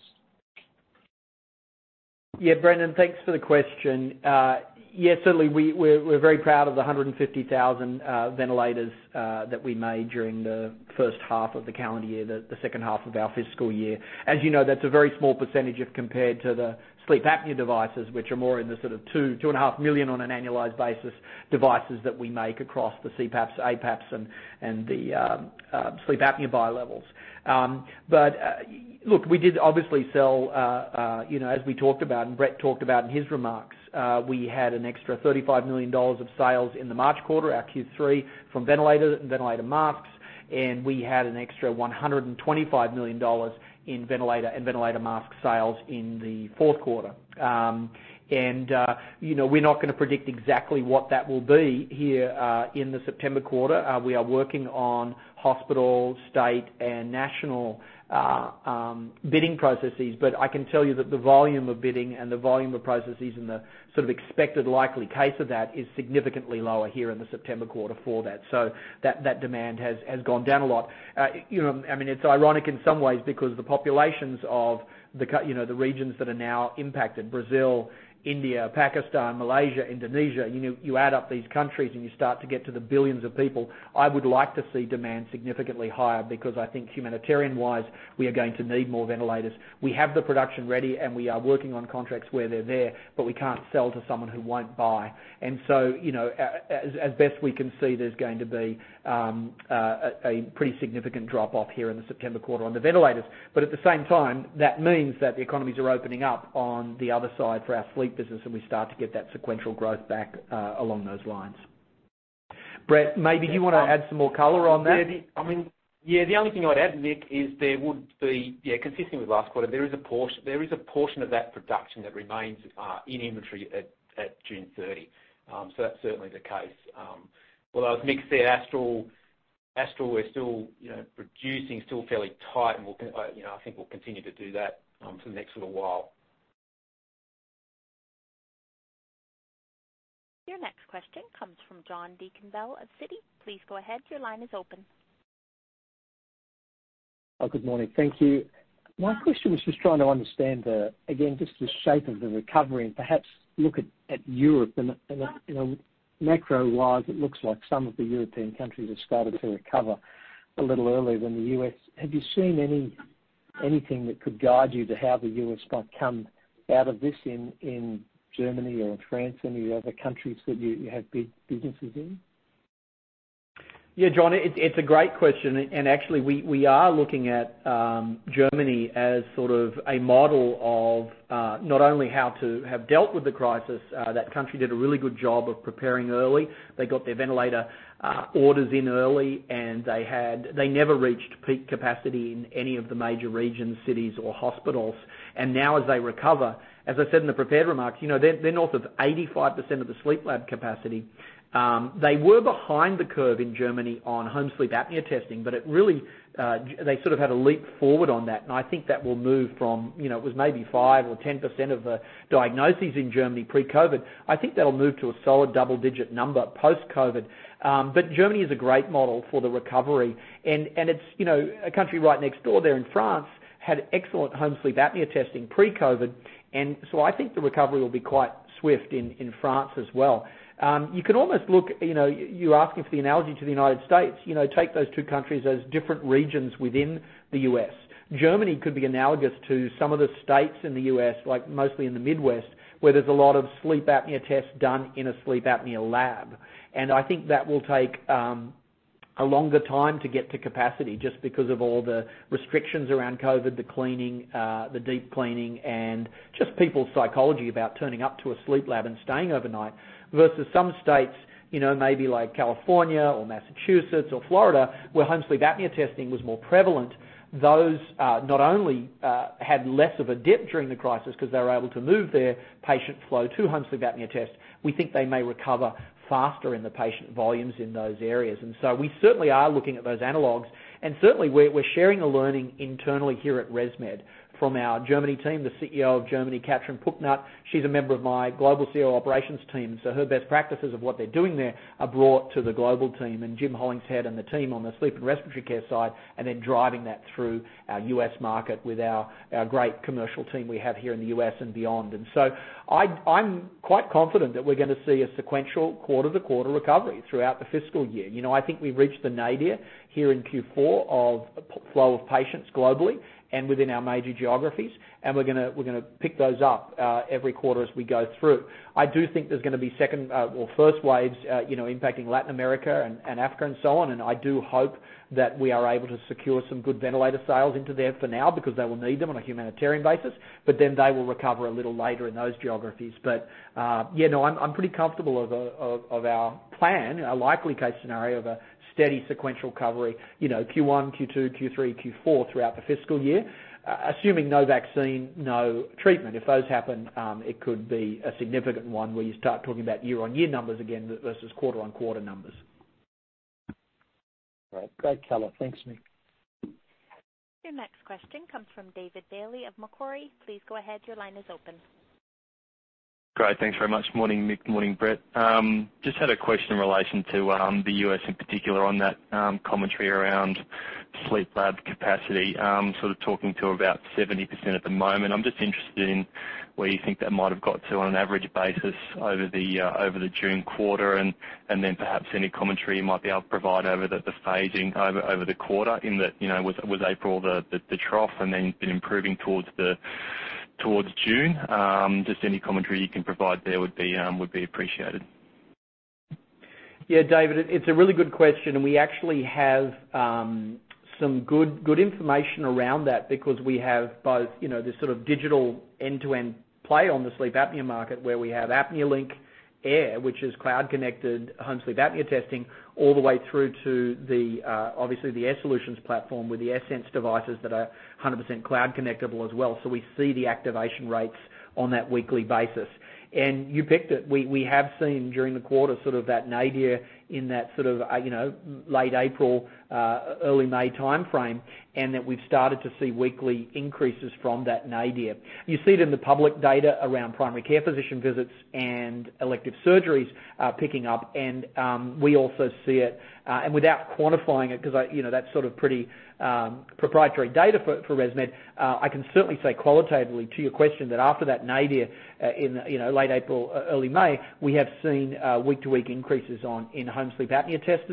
Yeah, Brandon, thanks for the question. Yes, certainly, we're very proud of the 150,000 ventilators that we made during the first half of the calendar year, the second half of our fiscal year. As you know, that's a very small percentage if compared to the sleep apnea devices, which are more in the sort of 2.5 million on an annualized basis devices that we make across the CPAPs, APAPs, and the sleep apnea bilevels. Look, we did obviously sell, as we talked about and Brett talked about in his remarks, we had an extra $35 million of sales in the March quarter, our Q3, from ventilator and ventilator masks, and we had an extra $125 million in ventilator and ventilator mask sales in the fourth quarter. We're not going to predict exactly what that will be here in the September quarter. We are working on hospital, state, and national bidding processes. I can tell you that the volume of bidding and the volume of processes in the sort of expected likely case of that is significantly lower here in the September quarter for that. That demand has gone down a lot. It's ironic in some ways because the populations of the regions that are now impacted, Brazil, India, Pakistan, Malaysia, Indonesia, you add up these countries and you start to get to the billions of people. I would like to see demand significantly higher because I think humanitarian-wise, we are going to need more ventilators. We have the production ready, and we are working on contracts where they're there, but we can't sell to someone who won't buy. As best we can see, there's going to be a pretty significant drop-off here in the September quarter on the ventilators. At the same time, that means that the economies are opening up on the other side for our sleep business, and we start to get that sequential growth back along those lines. Brett, maybe you want to add some more color on that? Yeah. The only thing I'd add, Mick, is there would be, consistent with last quarter, there is a portion of that production that remains in inventory at June 30. That's certainly the case. As Mick said, Astral, we're still producing, still fairly tight, and I think we'll continue to do that for the next little while. Your next question comes from John Deakin-Bell of Citi. Please go ahead. Your line is open. Good morning. Thank you. My question is just trying to understand again, just the shape of the recovery and perhaps look at Europe. Macro-wise, it looks like some of the European countries have started to recover a little earlier than the U.S. Have you seen anything that could guide you to how the U.S. might come out of this in Germany or France, any of the other countries that you have big businesses in? Yeah, John, it's a great question. Actually, we are looking at Germany as sort of a model of not only how to have dealt with the crisis. That country did a really good job of preparing early. They got their ventilator orders in early, and they never reached peak capacity in any of the major regions, cities, or hospitals. Now as they recover, as I said in the prepared remarks, they're north of 85% of the sleep lab capacity. They were behind the curve in Germany on home sleep apnea testing, but they sort of had a leap forward on that, and I think that will move from, it was maybe 5% or 10% of the diagnoses in Germany pre-COVID. I think that'll move to a solid double digit number post-COVID. Germany is a great model for the recovery, and a country right next door there in France had excellent home sleep apnea testing pre-COVID, and so I think the recovery will be quite swift in France as well. You can almost you're asking for the analogy to the U.S. Take those two countries as different regions within the U.S. Germany could be analogous to some of the states in the U.S., like mostly in the Midwest, where there's a lot of sleep apnea tests done in a sleep apnea lab. I think that will take a longer time to get to capacity just because of all the restrictions around COVID, the cleaning, the deep cleaning, and just people's psychology about turning up to a sleep lab and staying overnight, versus some states, maybe like California or Massachusetts or Florida, where home sleep apnea testing was more prevalent. Those not only had less of a dip during the crisis because they were able to move their patient flow to home sleep apnea tests. We think they may recover faster in the patient volumes in those areas. We certainly are looking at those analogs, and certainly, we're sharing a learning internally here at ResMed from our Germany team. The CEO of Germany, Katrin Pucknat, she's a member of my global CEO operations team, so her best practices of what they're doing there are brought to the global team. Jim Hollingshead and the team on the sleep and respiratory care side are then driving that through our U.S. market with our great commercial team we have here in the U.S. and beyond. I'm quite confident that we're going to see a sequential quarter-to-quarter recovery throughout the fiscal year. I think we've reached the nadir here in Q4 of flow of patients globally and within our major geographies, and we're going to pick those up every quarter as we go through. I do think there's going to be second or first waves impacting Latin America and Africa and so on, and I do hope that we are able to secure some good ventilator sales into there for now because they will need them on a humanitarian basis. They will recover a little later in those geographies. I'm pretty comfortable of our plan, a likely case scenario of a steady sequential recovery, Q1, Q2, Q3, Q4 throughout the fiscal year, assuming no vaccine, no treatment. If those happen, it could be a significant one where you start talking about year-on-year numbers again versus quarter-on-quarter numbers. All right. Great color. Thanks, Mick. Your next question comes from David Bailey of Macquarie. Please go ahead. Your line is open. Great. Thanks very much. Morning, Mick. Morning, Brett. Just had a question in relation to the U.S. in particular on that commentary around sleep lab capacity, sort of talking to about 70% at the moment. I'm just interested in where you think that might have got to on an average basis over the June quarter, and then perhaps any commentary you might be able to provide over the phasing over the quarter in that, was April the trough and then been improving towards June? Just any commentary you can provide there would be appreciated. Yeah. David, it's a really good question, and we actually have some good information around that because we have both, the sort of digital end-to-end play on the sleep apnea market, where we have ApneaLink Air, which is cloud-connected home sleep apnea testing, all the way through to the, obviously, the Air Solutions platform with the AirSense devices that are 100% cloud connectable as well. We see the activation rates on that weekly basis. You picked it. We have seen during the quarter sort of that nadir in that sort of late April, early May timeframe, that we've started to see weekly increases from that nadir. You see it in the public data around primary care physician visits and elective surgeries picking up, we also see it, without quantifying it, because that's sort of pretty proprietary data for ResMed. I can certainly say qualitatively to your question that after that nadir in late April, early May, we have seen week-to-week increases in home sleep apnea tests.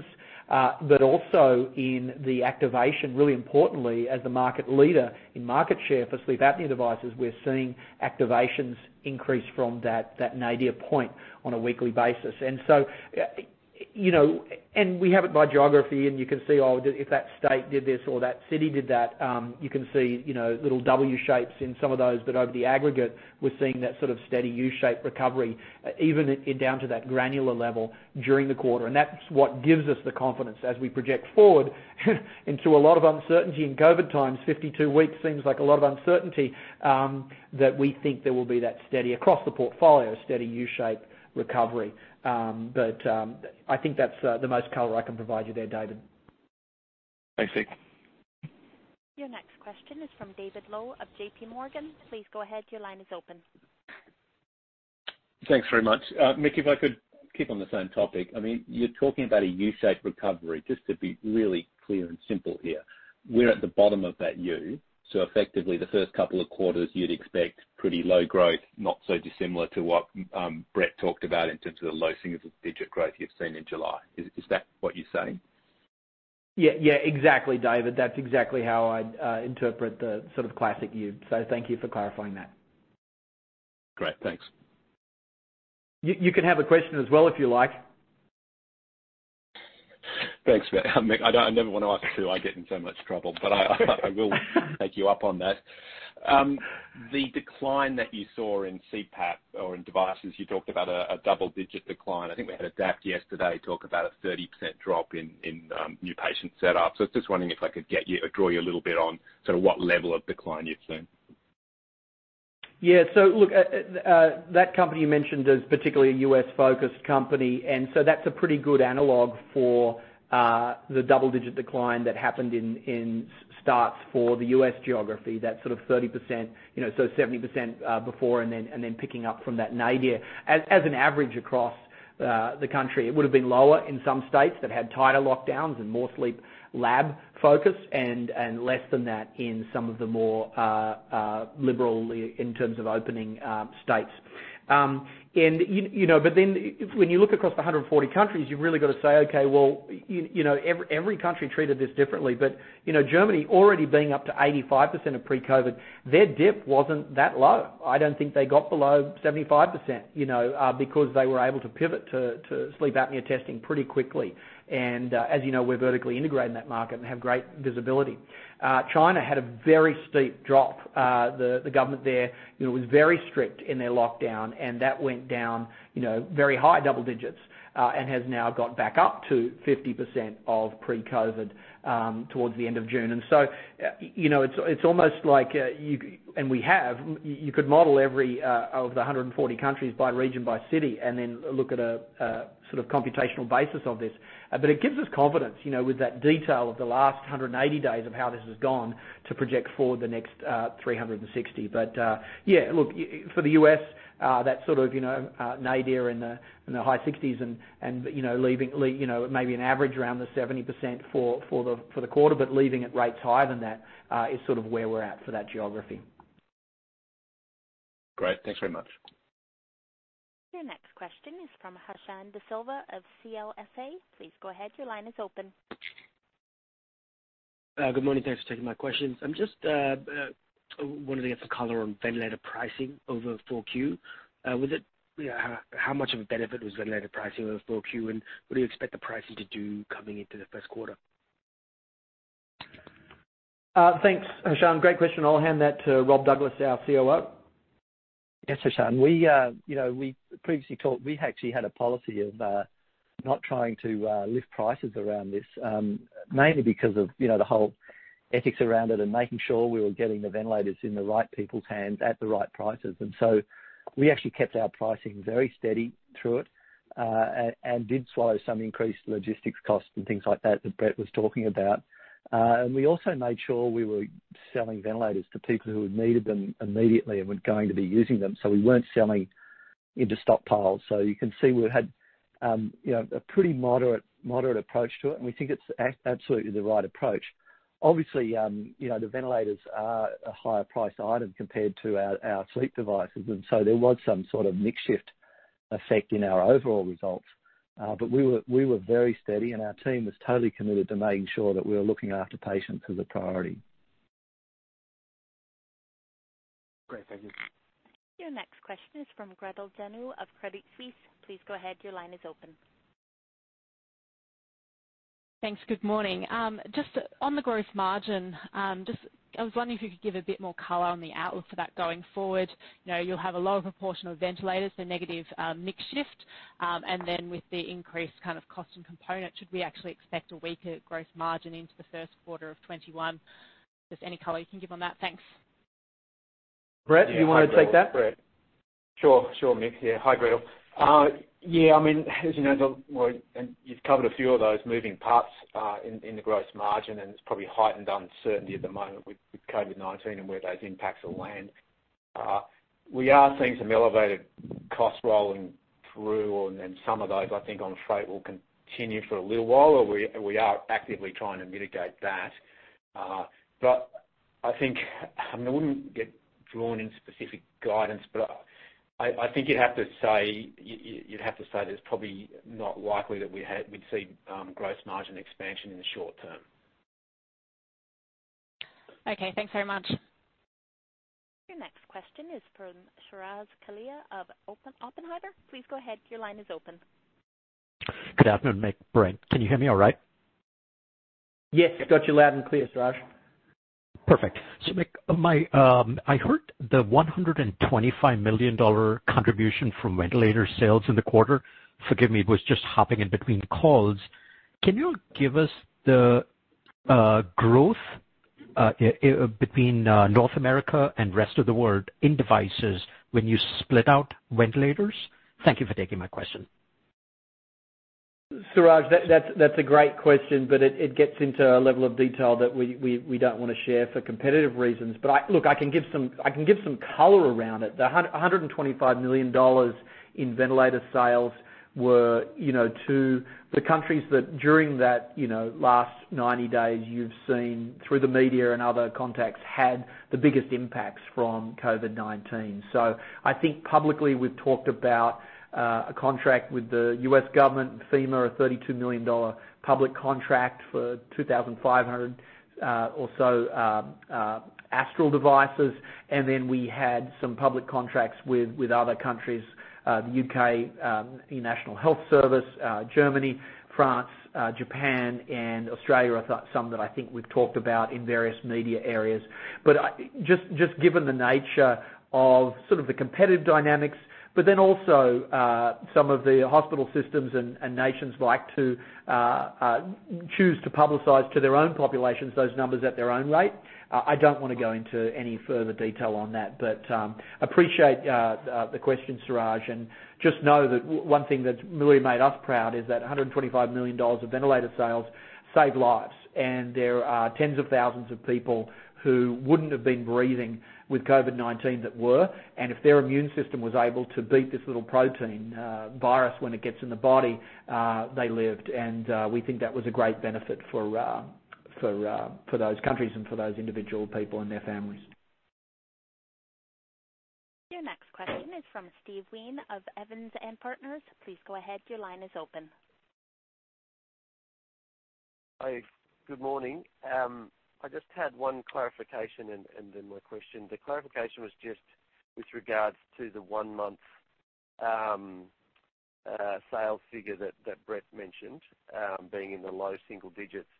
Also in the activation, really importantly, as the market leader in market share for sleep apnea devices, we're seeing activations increase from that nadir point on a weekly basis. We have it by geography, and you can see, oh, if that state did this or that city did that, you can see little W shapes in some of those. Over the aggregate, we're seeing that sort of steady U-shaped recovery, even down to that granular level during the quarter. That's what gives us the confidence as we project forward into a lot of uncertainty in COVID times, 52 weeks seems like a lot of uncertainty, that we think there will be that steady, across the portfolio, steady U-shaped recovery. I think that's the most color I can provide you there, David. Thanks, Mick. Your next question is from David Low of JPMorgan. Please go ahead. Your line is open. Thanks very much. Mick, if I could keep on the same topic. You're talking about a U-shaped recovery. Just to be really clear and simple here, we're at the bottom of that U. Effectively the first couple of quarters you'd expect pretty low growth, not so dissimilar to what Brett talked about in terms of the low-single digit growth you've seen in July. Is that what you're saying? Yeah. Exactly, David. That's exactly how I'd interpret the sort of classic U. Thank you for clarifying that. Great. Thanks. You can have a question as well, if you like. Thanks, Mick. I never want to ask two. I get in so much trouble, I will take you up on that. The decline that you saw in CPAP or in devices, you talked about a double digit decline. I think we had Adapt yesterday talk about a 30% drop in new patient set-up. I was just wondering if I could draw you a little bit on sort of what level of decline you've seen? Yeah. Look, that company you mentioned is particularly a U.S.-focused company, and so that's a pretty good analog for the double digit decline that happened in starts for the U.S. geography, that sort of 30%, so 70% before, and then picking up from that nadir. As an average across the country, it would've been lower in some states that had tighter lockdowns and more sleep lab focus and less than that in some of the more liberal, in terms of opening, states. When you look across the 140 countries, you've really got to say, okay, well, every country treated this differently. Germany already being up to 85% of pre-COVID, their dip wasn't that low. I don't think they got below 75%, because they were able to pivot to sleep apnea testing pretty quickly. As you know, we're vertically integrated in that market and have great visibility. China had a very steep drop. The government there was very strict in their lockdown, and that went down very high-double digits, and has now got back up to 50% of pre-COVID towards the end of June. It's almost like, and we have, you could model every of the 140 countries by region, by city, and then look at a sort of computational basis of this. It gives us confidence, with that detail of the last 180 days of how this has gone to project forward the next 360. Yeah, look, for the U.S., that sort of nadir in the high 60s and maybe an average around the 70% for the quarter, but leaving at rates higher than that, is sort of where we're at for that geography. Great. Thanks very much. Your next question is from Hashan De Silva of CLSA. Please go ahead. Your line is open. Good morning. Thanks for taking my questions. I'm just wondering to get some color on ventilator pricing over 4Q. How much of a benefit was ventilator pricing over 4Q? And what do you expect the pricing to do coming into the first quarter? Thanks, Hashan. Great question. I'll hand that to Rob Douglas, our COO. Yes, Hashan. We previously talked, we actually had a policy of not trying to lift prices around this. Mainly because of the whole ethics around it and making sure we were getting the ventilators in the right people's hands at the right prices. We actually kept our pricing very steady through it. Did swallow some increased logistics costs and things like that Brett was talking about. We also made sure we were selling ventilators to people who needed them immediately and were going to be using them, so we weren't selling into stockpiles. You can see we've had a pretty moderate approach to it, and we think it's absolutely the right approach. Obviously, the ventilators are a higher price item compared to our sleep devices, and so there was some sort of mix shift effect in our overall results. We were very steady, and our team was totally committed to making sure that we were looking after patients as a priority. Great. Thank you. Your next question is from Gretel Janu of Credit Suisse. Please go ahead, your line is open. Thanks. Good morning. Just on the gross margin, I was wondering if you could give a bit more color on the outlook for that going forward. You'll have a lower proportion of ventilators, so negative mix shift, and then with the increased kind of cost and component. Should we actually expect a weaker gross margin into the first quarter of 2021? Just any color you can give on that. Thanks. Brett, you want to take that? Yeah. Hi, Gretel. Brett. Sure, Mick. Yeah. Hi, Gretel. Yeah, as you know, Gretel, and you've covered a few of those moving parts in the gross margin, and it's probably heightened uncertainty at the moment with COVID-19 and where those impacts will land. We are seeing some elevated costs rolling through, and then some of those, I think, on freight will continue for a little while, or we are actively trying to mitigate that. I think, I wouldn't get drawn into specific guidance, but I think you'd have to say that it's probably not likely that we'd see gross margin expansion in the short term. Okay. Thanks very much. Your next question is from Suraj Kalia of Oppenheimer. Please go ahead. Your line is open. Good afternoon, Mick, Brett. Can you hear me all right? Yes. Got you loud and clear, Suraj. Perfect. Mick, I heard the $125 million contribution from ventilator sales in the quarter. Forgive me, was just hopping in between calls. Can you give us the growth between North America and rest of the world in devices when you split out ventilators? Thank you for taking my question. Suraj, that's a great question, but it gets into a level of detail that we don't want to share for competitive reasons. Look, I can give some color around it. The $125 million in ventilator sales were to the countries that during that last 90 days you've seen through the media and other contacts had the biggest impacts from COVID-19. I think publicly, we've talked about a contract with the U.S. government and FEMA, a $32 million public contract for 2,500 or so Astral devices. Then we had some public contracts with other countries, the U.K., the National Health Service, Germany, France, Japan, and Australia are some that I think we've talked about in various media areas. Just given the nature of sort of the competitive dynamics, but then also, some of the hospital systems and nations like to choose to publicize to their own populations those numbers at their own rate. I don't want to go into any further detail on that. Appreciate the question, Suraj, and just know that one thing that's really made us proud is that $125 million of ventilator sales saved lives. There are tens of thousands of people who wouldn't have been breathing with COVID-19 that were, and if their immune system was able to beat this little protein virus when it gets in the body, they lived. We think that was a great benefit for those countries and for those individual people and their families. Your next question is from Steve Wheen of Evans & Partners. Please go ahead. Your line is open. Hi. Good morning. I just had one clarification and then my question. The clarification was just with regards to the one month sales figure that Brett mentioned, being in the low-single digits.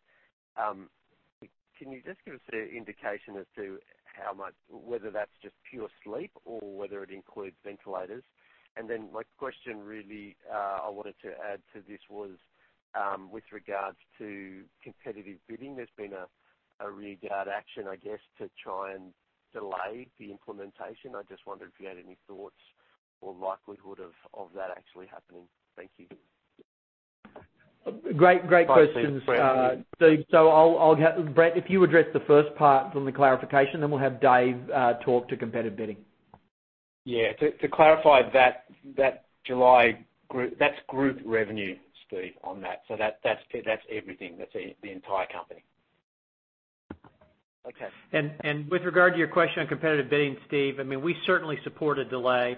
Can you just give us an indication as to whether that's just pure sleep or whether it includes ventilators? My question really, I wanted to add to this was, with regards to competitive bidding. There's been a regard action, I guess, to try and delay the implementation. I just wondered if you had any thoughts or likelihood of that actually happening? Thank you. Great questions, Steve. Brett, if you address the first part from the clarification, then we'll have Dave talk to competitive bidding. Yeah. To clarify that July, that's group revenue, Steve, on that. That's everything. That's the entire company. Okay. With regard to your question on competitive bidding, Steve, we certainly support a delay.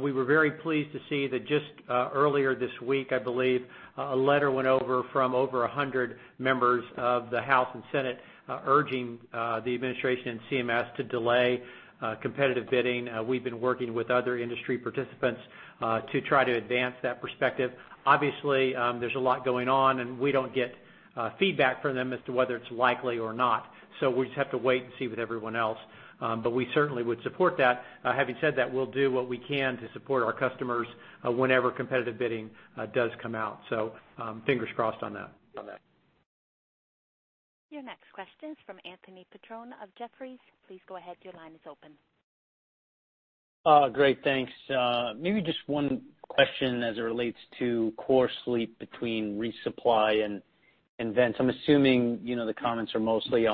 We were very pleased to see that just earlier this week, I believe, a letter went over from over 100 members of the House and Senate, urging the administration and CMS to delay competitive bidding. We've been working with other industry participants to try to advance that perspective. Obviously, there's a lot going on, and we don't get feedback from them as to whether it's likely or not. We just have to wait and see with everyone else. We certainly would support that. Having said that, we'll do what we can to support our customers whenever competitive bidding does come out. Fingers crossed on that. Your next question is from Anthony Petrone of Jefferies. Please go ahead. Your line is open. Great. Thanks. Maybe just one question as it relates to core sleep between resupply and vents. I'm assuming the comments are mostly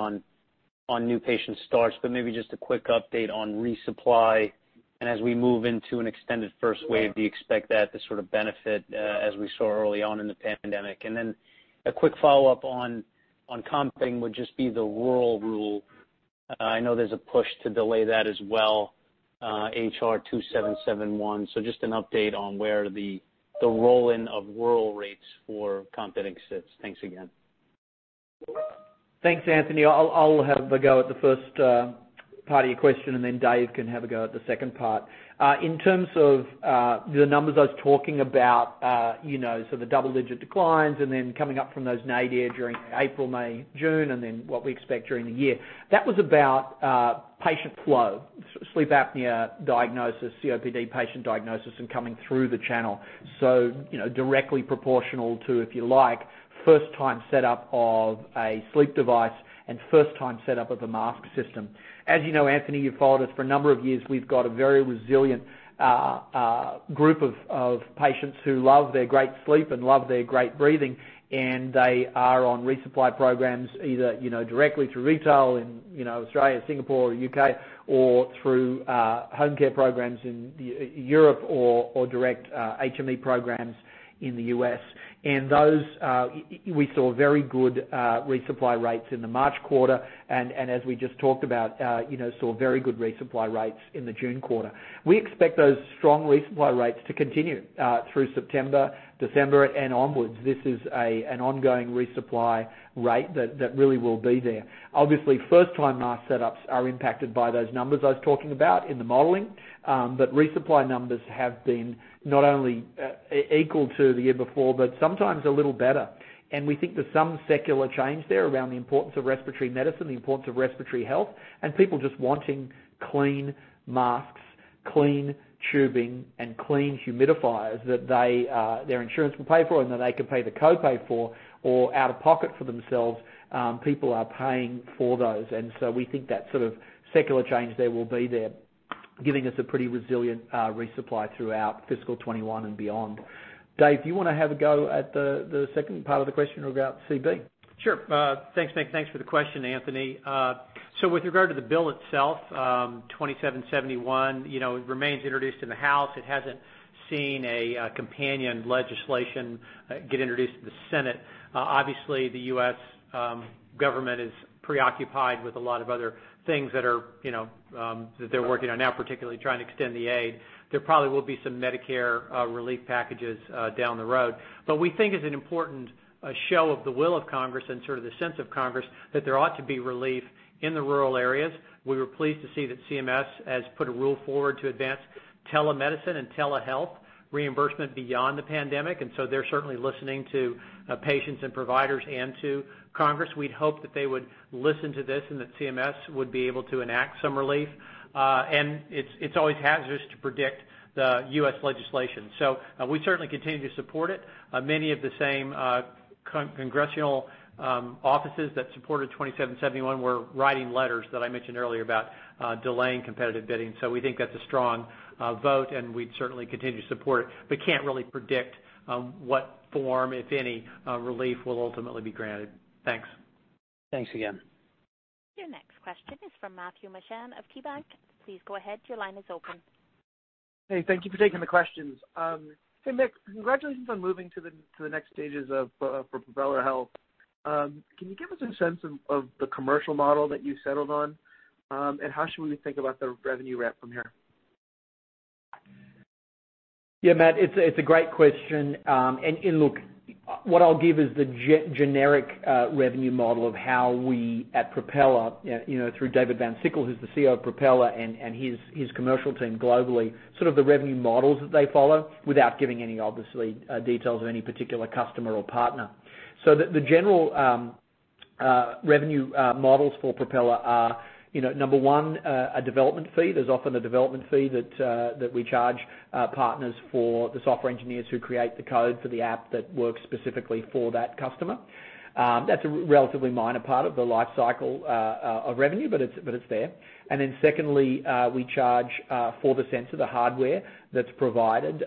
on new patient starts, but maybe just a quick update on resupply. As we move into an extended first wave, do you expect that to sort of benefit as we saw early on in the pandemic? A quick follow-up on comping would just be the rural rule. I know there's a push to delay that as well, H.R.2771. Just an update on where the roll in of rural rates for comping sits? Thanks again. Thanks, Anthony. I'll have a go at the first part of your question, and then Dave can have a go at the second part. In terms of the numbers I was talking about, so the double digit declines and then coming up from those nadir during April, May, June, and then what we expect during the year. That was about patient flow, sleep apnea diagnosis, COPD patient diagnosis, and coming through the channel. Directly proportional to, if you like, first time set up of a sleep device and first time set up of a mask system. As you know, Anthony, you've followed us for a number of years, we've got a very resilient group of patients who love their great sleep and love their great breathing, and they are on resupply programs, either directly through retail in Australia, Singapore or U.K. Or through home care programs in Europe or direct HME programs in the U.S. Those, we saw very good resupply rates in the March quarter, and as we just talked about, saw very good resupply rates in the June quarter. We expect those strong resupply rates to continue through September, December and onwards. This is an ongoing resupply rate that really will be there. Obviously, first time mask set ups are impacted by those numbers I was talking about in the modeling. Resupply numbers have been not only equal to the year before, but sometimes a little better. We think there's some secular change there around the importance of respiratory medicine, the importance of respiratory health, and people just wanting clean masks, clean tubing, and clean humidifiers that their insurance will pay for and that they can pay the copay for, or out of pocket for themselves. People are paying for those. So we think that sort of secular change there will be there, giving us a pretty resilient resupply throughout fiscal 2021 and beyond. Dave, you want to have a go at the second part of the question about CB? Sure. Thanks, Mick. Thanks for the question, Anthony. With regard to the bill itself, 2771, it remains introduced in the House. It hasn't seen a companion legislation get introduced to the Senate. Obviously, the U.S. government is preoccupied with a lot of other things that they're working on now, particularly trying to extend the aid. There probably will be some Medicare relief packages down the road. We think it's an important show of the will of Congress and sort of the sense of Congress that there ought to be relief in the rural areas. We were pleased to see that CMS has put a rule forward to advance telemedicine and telehealth reimbursement beyond the pandemic, they're certainly listening to patients and providers and to Congress. We'd hope that they would listen to this and that CMS would be able to enact some relief. It's always hazardous to predict the U.S. legislation. We certainly continue to support it. Many of the same congressional offices that supported 2771 were writing letters that I mentioned earlier about delaying competitive bidding. We think that's a strong vote, and we'd certainly continue to support it, but can't really predict what form, if any, relief will ultimately be granted. Thanks. Thanks again. Your next question is from Matthew Mishan of KeyBanc. Please go ahead. Your line is open. Hey, thank you for taking the questions. Hey, Mick, congratulations on moving to the next stages for Propeller Health. Can you give us a sense of the commercial model that you settled on? How should we think about the revenue rep from here? Yeah, Matthew, it's a great question. Look, what I'll give is the generic revenue model of how we at Propeller, through David Van Sickle, who's the CEO of Propeller, and his commercial team globally, sort of the revenue models that they follow without giving any, obviously, details of any particular customer or partner. The general revenue models for Propeller are, number one, a development fee. There's often a development fee that we charge partners for the software engineers who create the code for the app that works specifically for that customer. That's a relatively minor part of the life cycle of revenue, but it's there. Secondly, we charge for the sensor, the hardware that's provided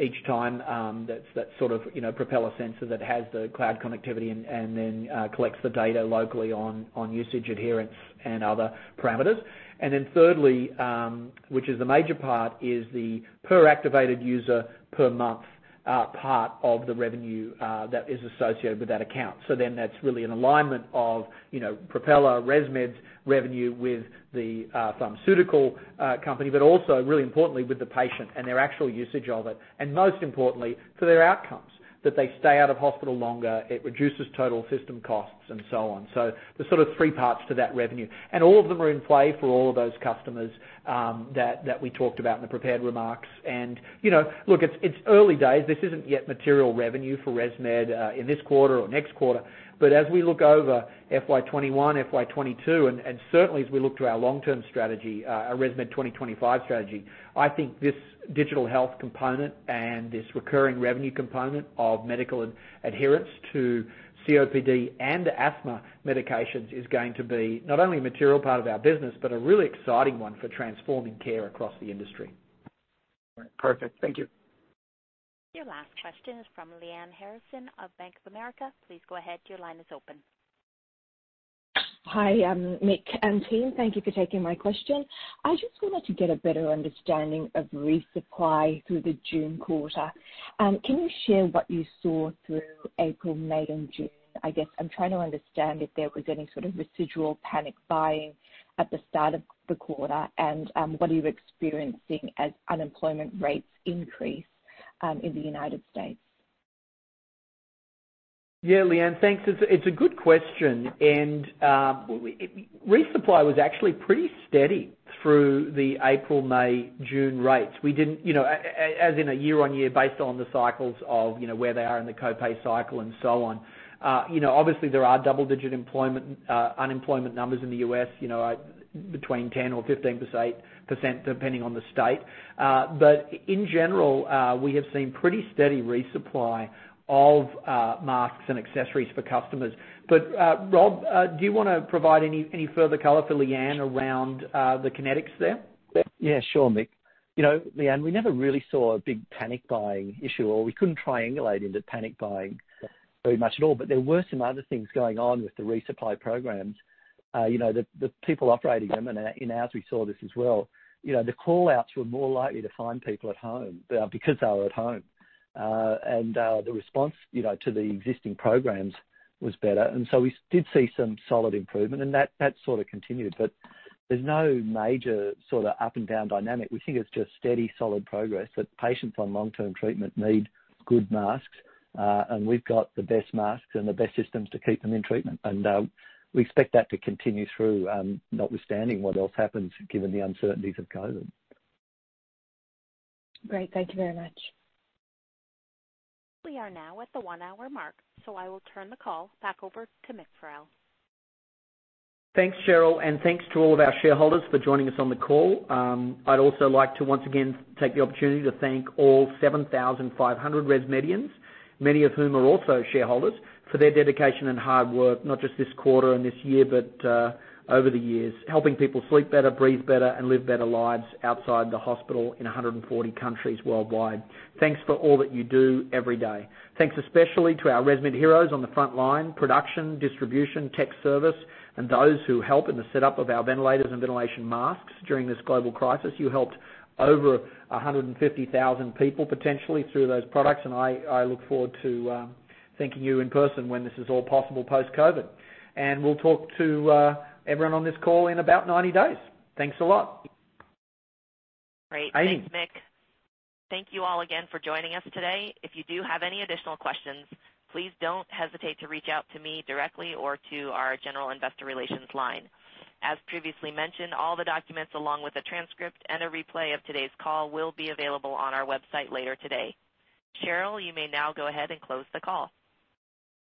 each time, that sort of Propeller sensor that has the cloud connectivity and then collects the data locally on usage adherence and other parameters. Thirdly, which is the major part, is the per activated user per month part of the revenue that is associated with that account. That's really an alignment of Propeller ResMed's revenue with the pharmaceutical company, but also really importantly with the patient and their actual usage of it. Most importantly, for their outcomes, that they stay out of hospital longer, it reduces total system costs and so on. There's sort of three parts to that revenue. All of them are in play for all of those customers that we talked about in the prepared remarks. Look, it's early days. This isn't yet material revenue for ResMed in this quarter or next quarter. As we look over FY 2021, FY 2022, and certainly as we look to our long-term strategy, our ResMed 2025 strategy, I think this digital health component and this recurring revenue component of medical adherence to COPD and asthma medications is going to be not only a material part of our business, but a really exciting one for transforming care across the industry. All right. Perfect. Thank you. Your last question is from Lyanne Harrison of Bank of America. Please go ahead. Your line is open. Hi, Mick and team. Thank you for taking my question. I just wanted to get a better understanding of resupply through the June quarter. Can you share what you saw through April, May, and June? I guess I'm trying to understand if there was any sort of residual panic buying at the start of the quarter and what are you experiencing as unemployment rates increase in the United States? Yeah, Lyanne, thanks. It's a good question, resupply was actually pretty steady through the April, May, June rates. As in a year-on-year, based on the cycles of where they are in the co-pay cycle and so on. Obviously, there are double digit unemployment numbers in the U.S., between 10% or 15%, depending on the state. In general, we have seen pretty steady resupply of masks and accessories for customers. Rob, do you want to provide any further color for Lyanne around the kinetics there? Yeah, sure, Mick. Lyanne, we never really saw a big panic buying issue, or we couldn't triangulate into panic buying very much at all. There were some other things going on with the resupply programs. The people operating them, and in-house we saw this as well. The call-outs were more likely to find people at home, because they were at home. The response to the existing programs was better. We did see some solid improvement, and that sort of continued. There's no major sort of up and down dynamic. We think it's just steady, solid progress, that patients on long-term treatment need good masks. We've got the best masks and the best systems to keep them in treatment. We expect that to continue through, notwithstanding what else happens, given the uncertainties of COVID-19. Great. Thank you very much. We are now at the one-hour mark, so I will turn the call back over to Mick Farrell. Thanks, Cheryl. Thanks to all of our shareholders for joining us on the call. I'd also like to once again take the opportunity to thank all 7,500 ResMedians, many of whom are also shareholders, for their dedication and hard work, not just this quarter and this year, but over the years. Helping people sleep better, breathe better, and live better lives outside the hospital in 140 countries worldwide. Thanks for all that you do every day. Thanks especially to our ResMed heroes on the front line, production, distribution, tech service, and those who help in the setup of our ventilators and ventilation masks during this global crisis. You helped over 150,000 people potentially through those products, and I look forward to thanking you in person when this is all possible post-COVID. We'll talk to everyone on this call in about 90 days. Thanks a lot, Amy? Great. Thanks, Mick. Thank you all again for joining us today. If you do have any additional questions, please don't hesitate to reach out to me directly or to our general investor relations line. As previously mentioned, all the documents, along with a transcript and a replay of today's call, will be available on our website later today. Cheryl, you may now go ahead and close the call.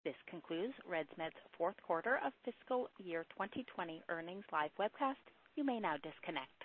This concludes ResMed's fourth quarter of fiscal year 2020 earnings live webcast. You may now disconnect.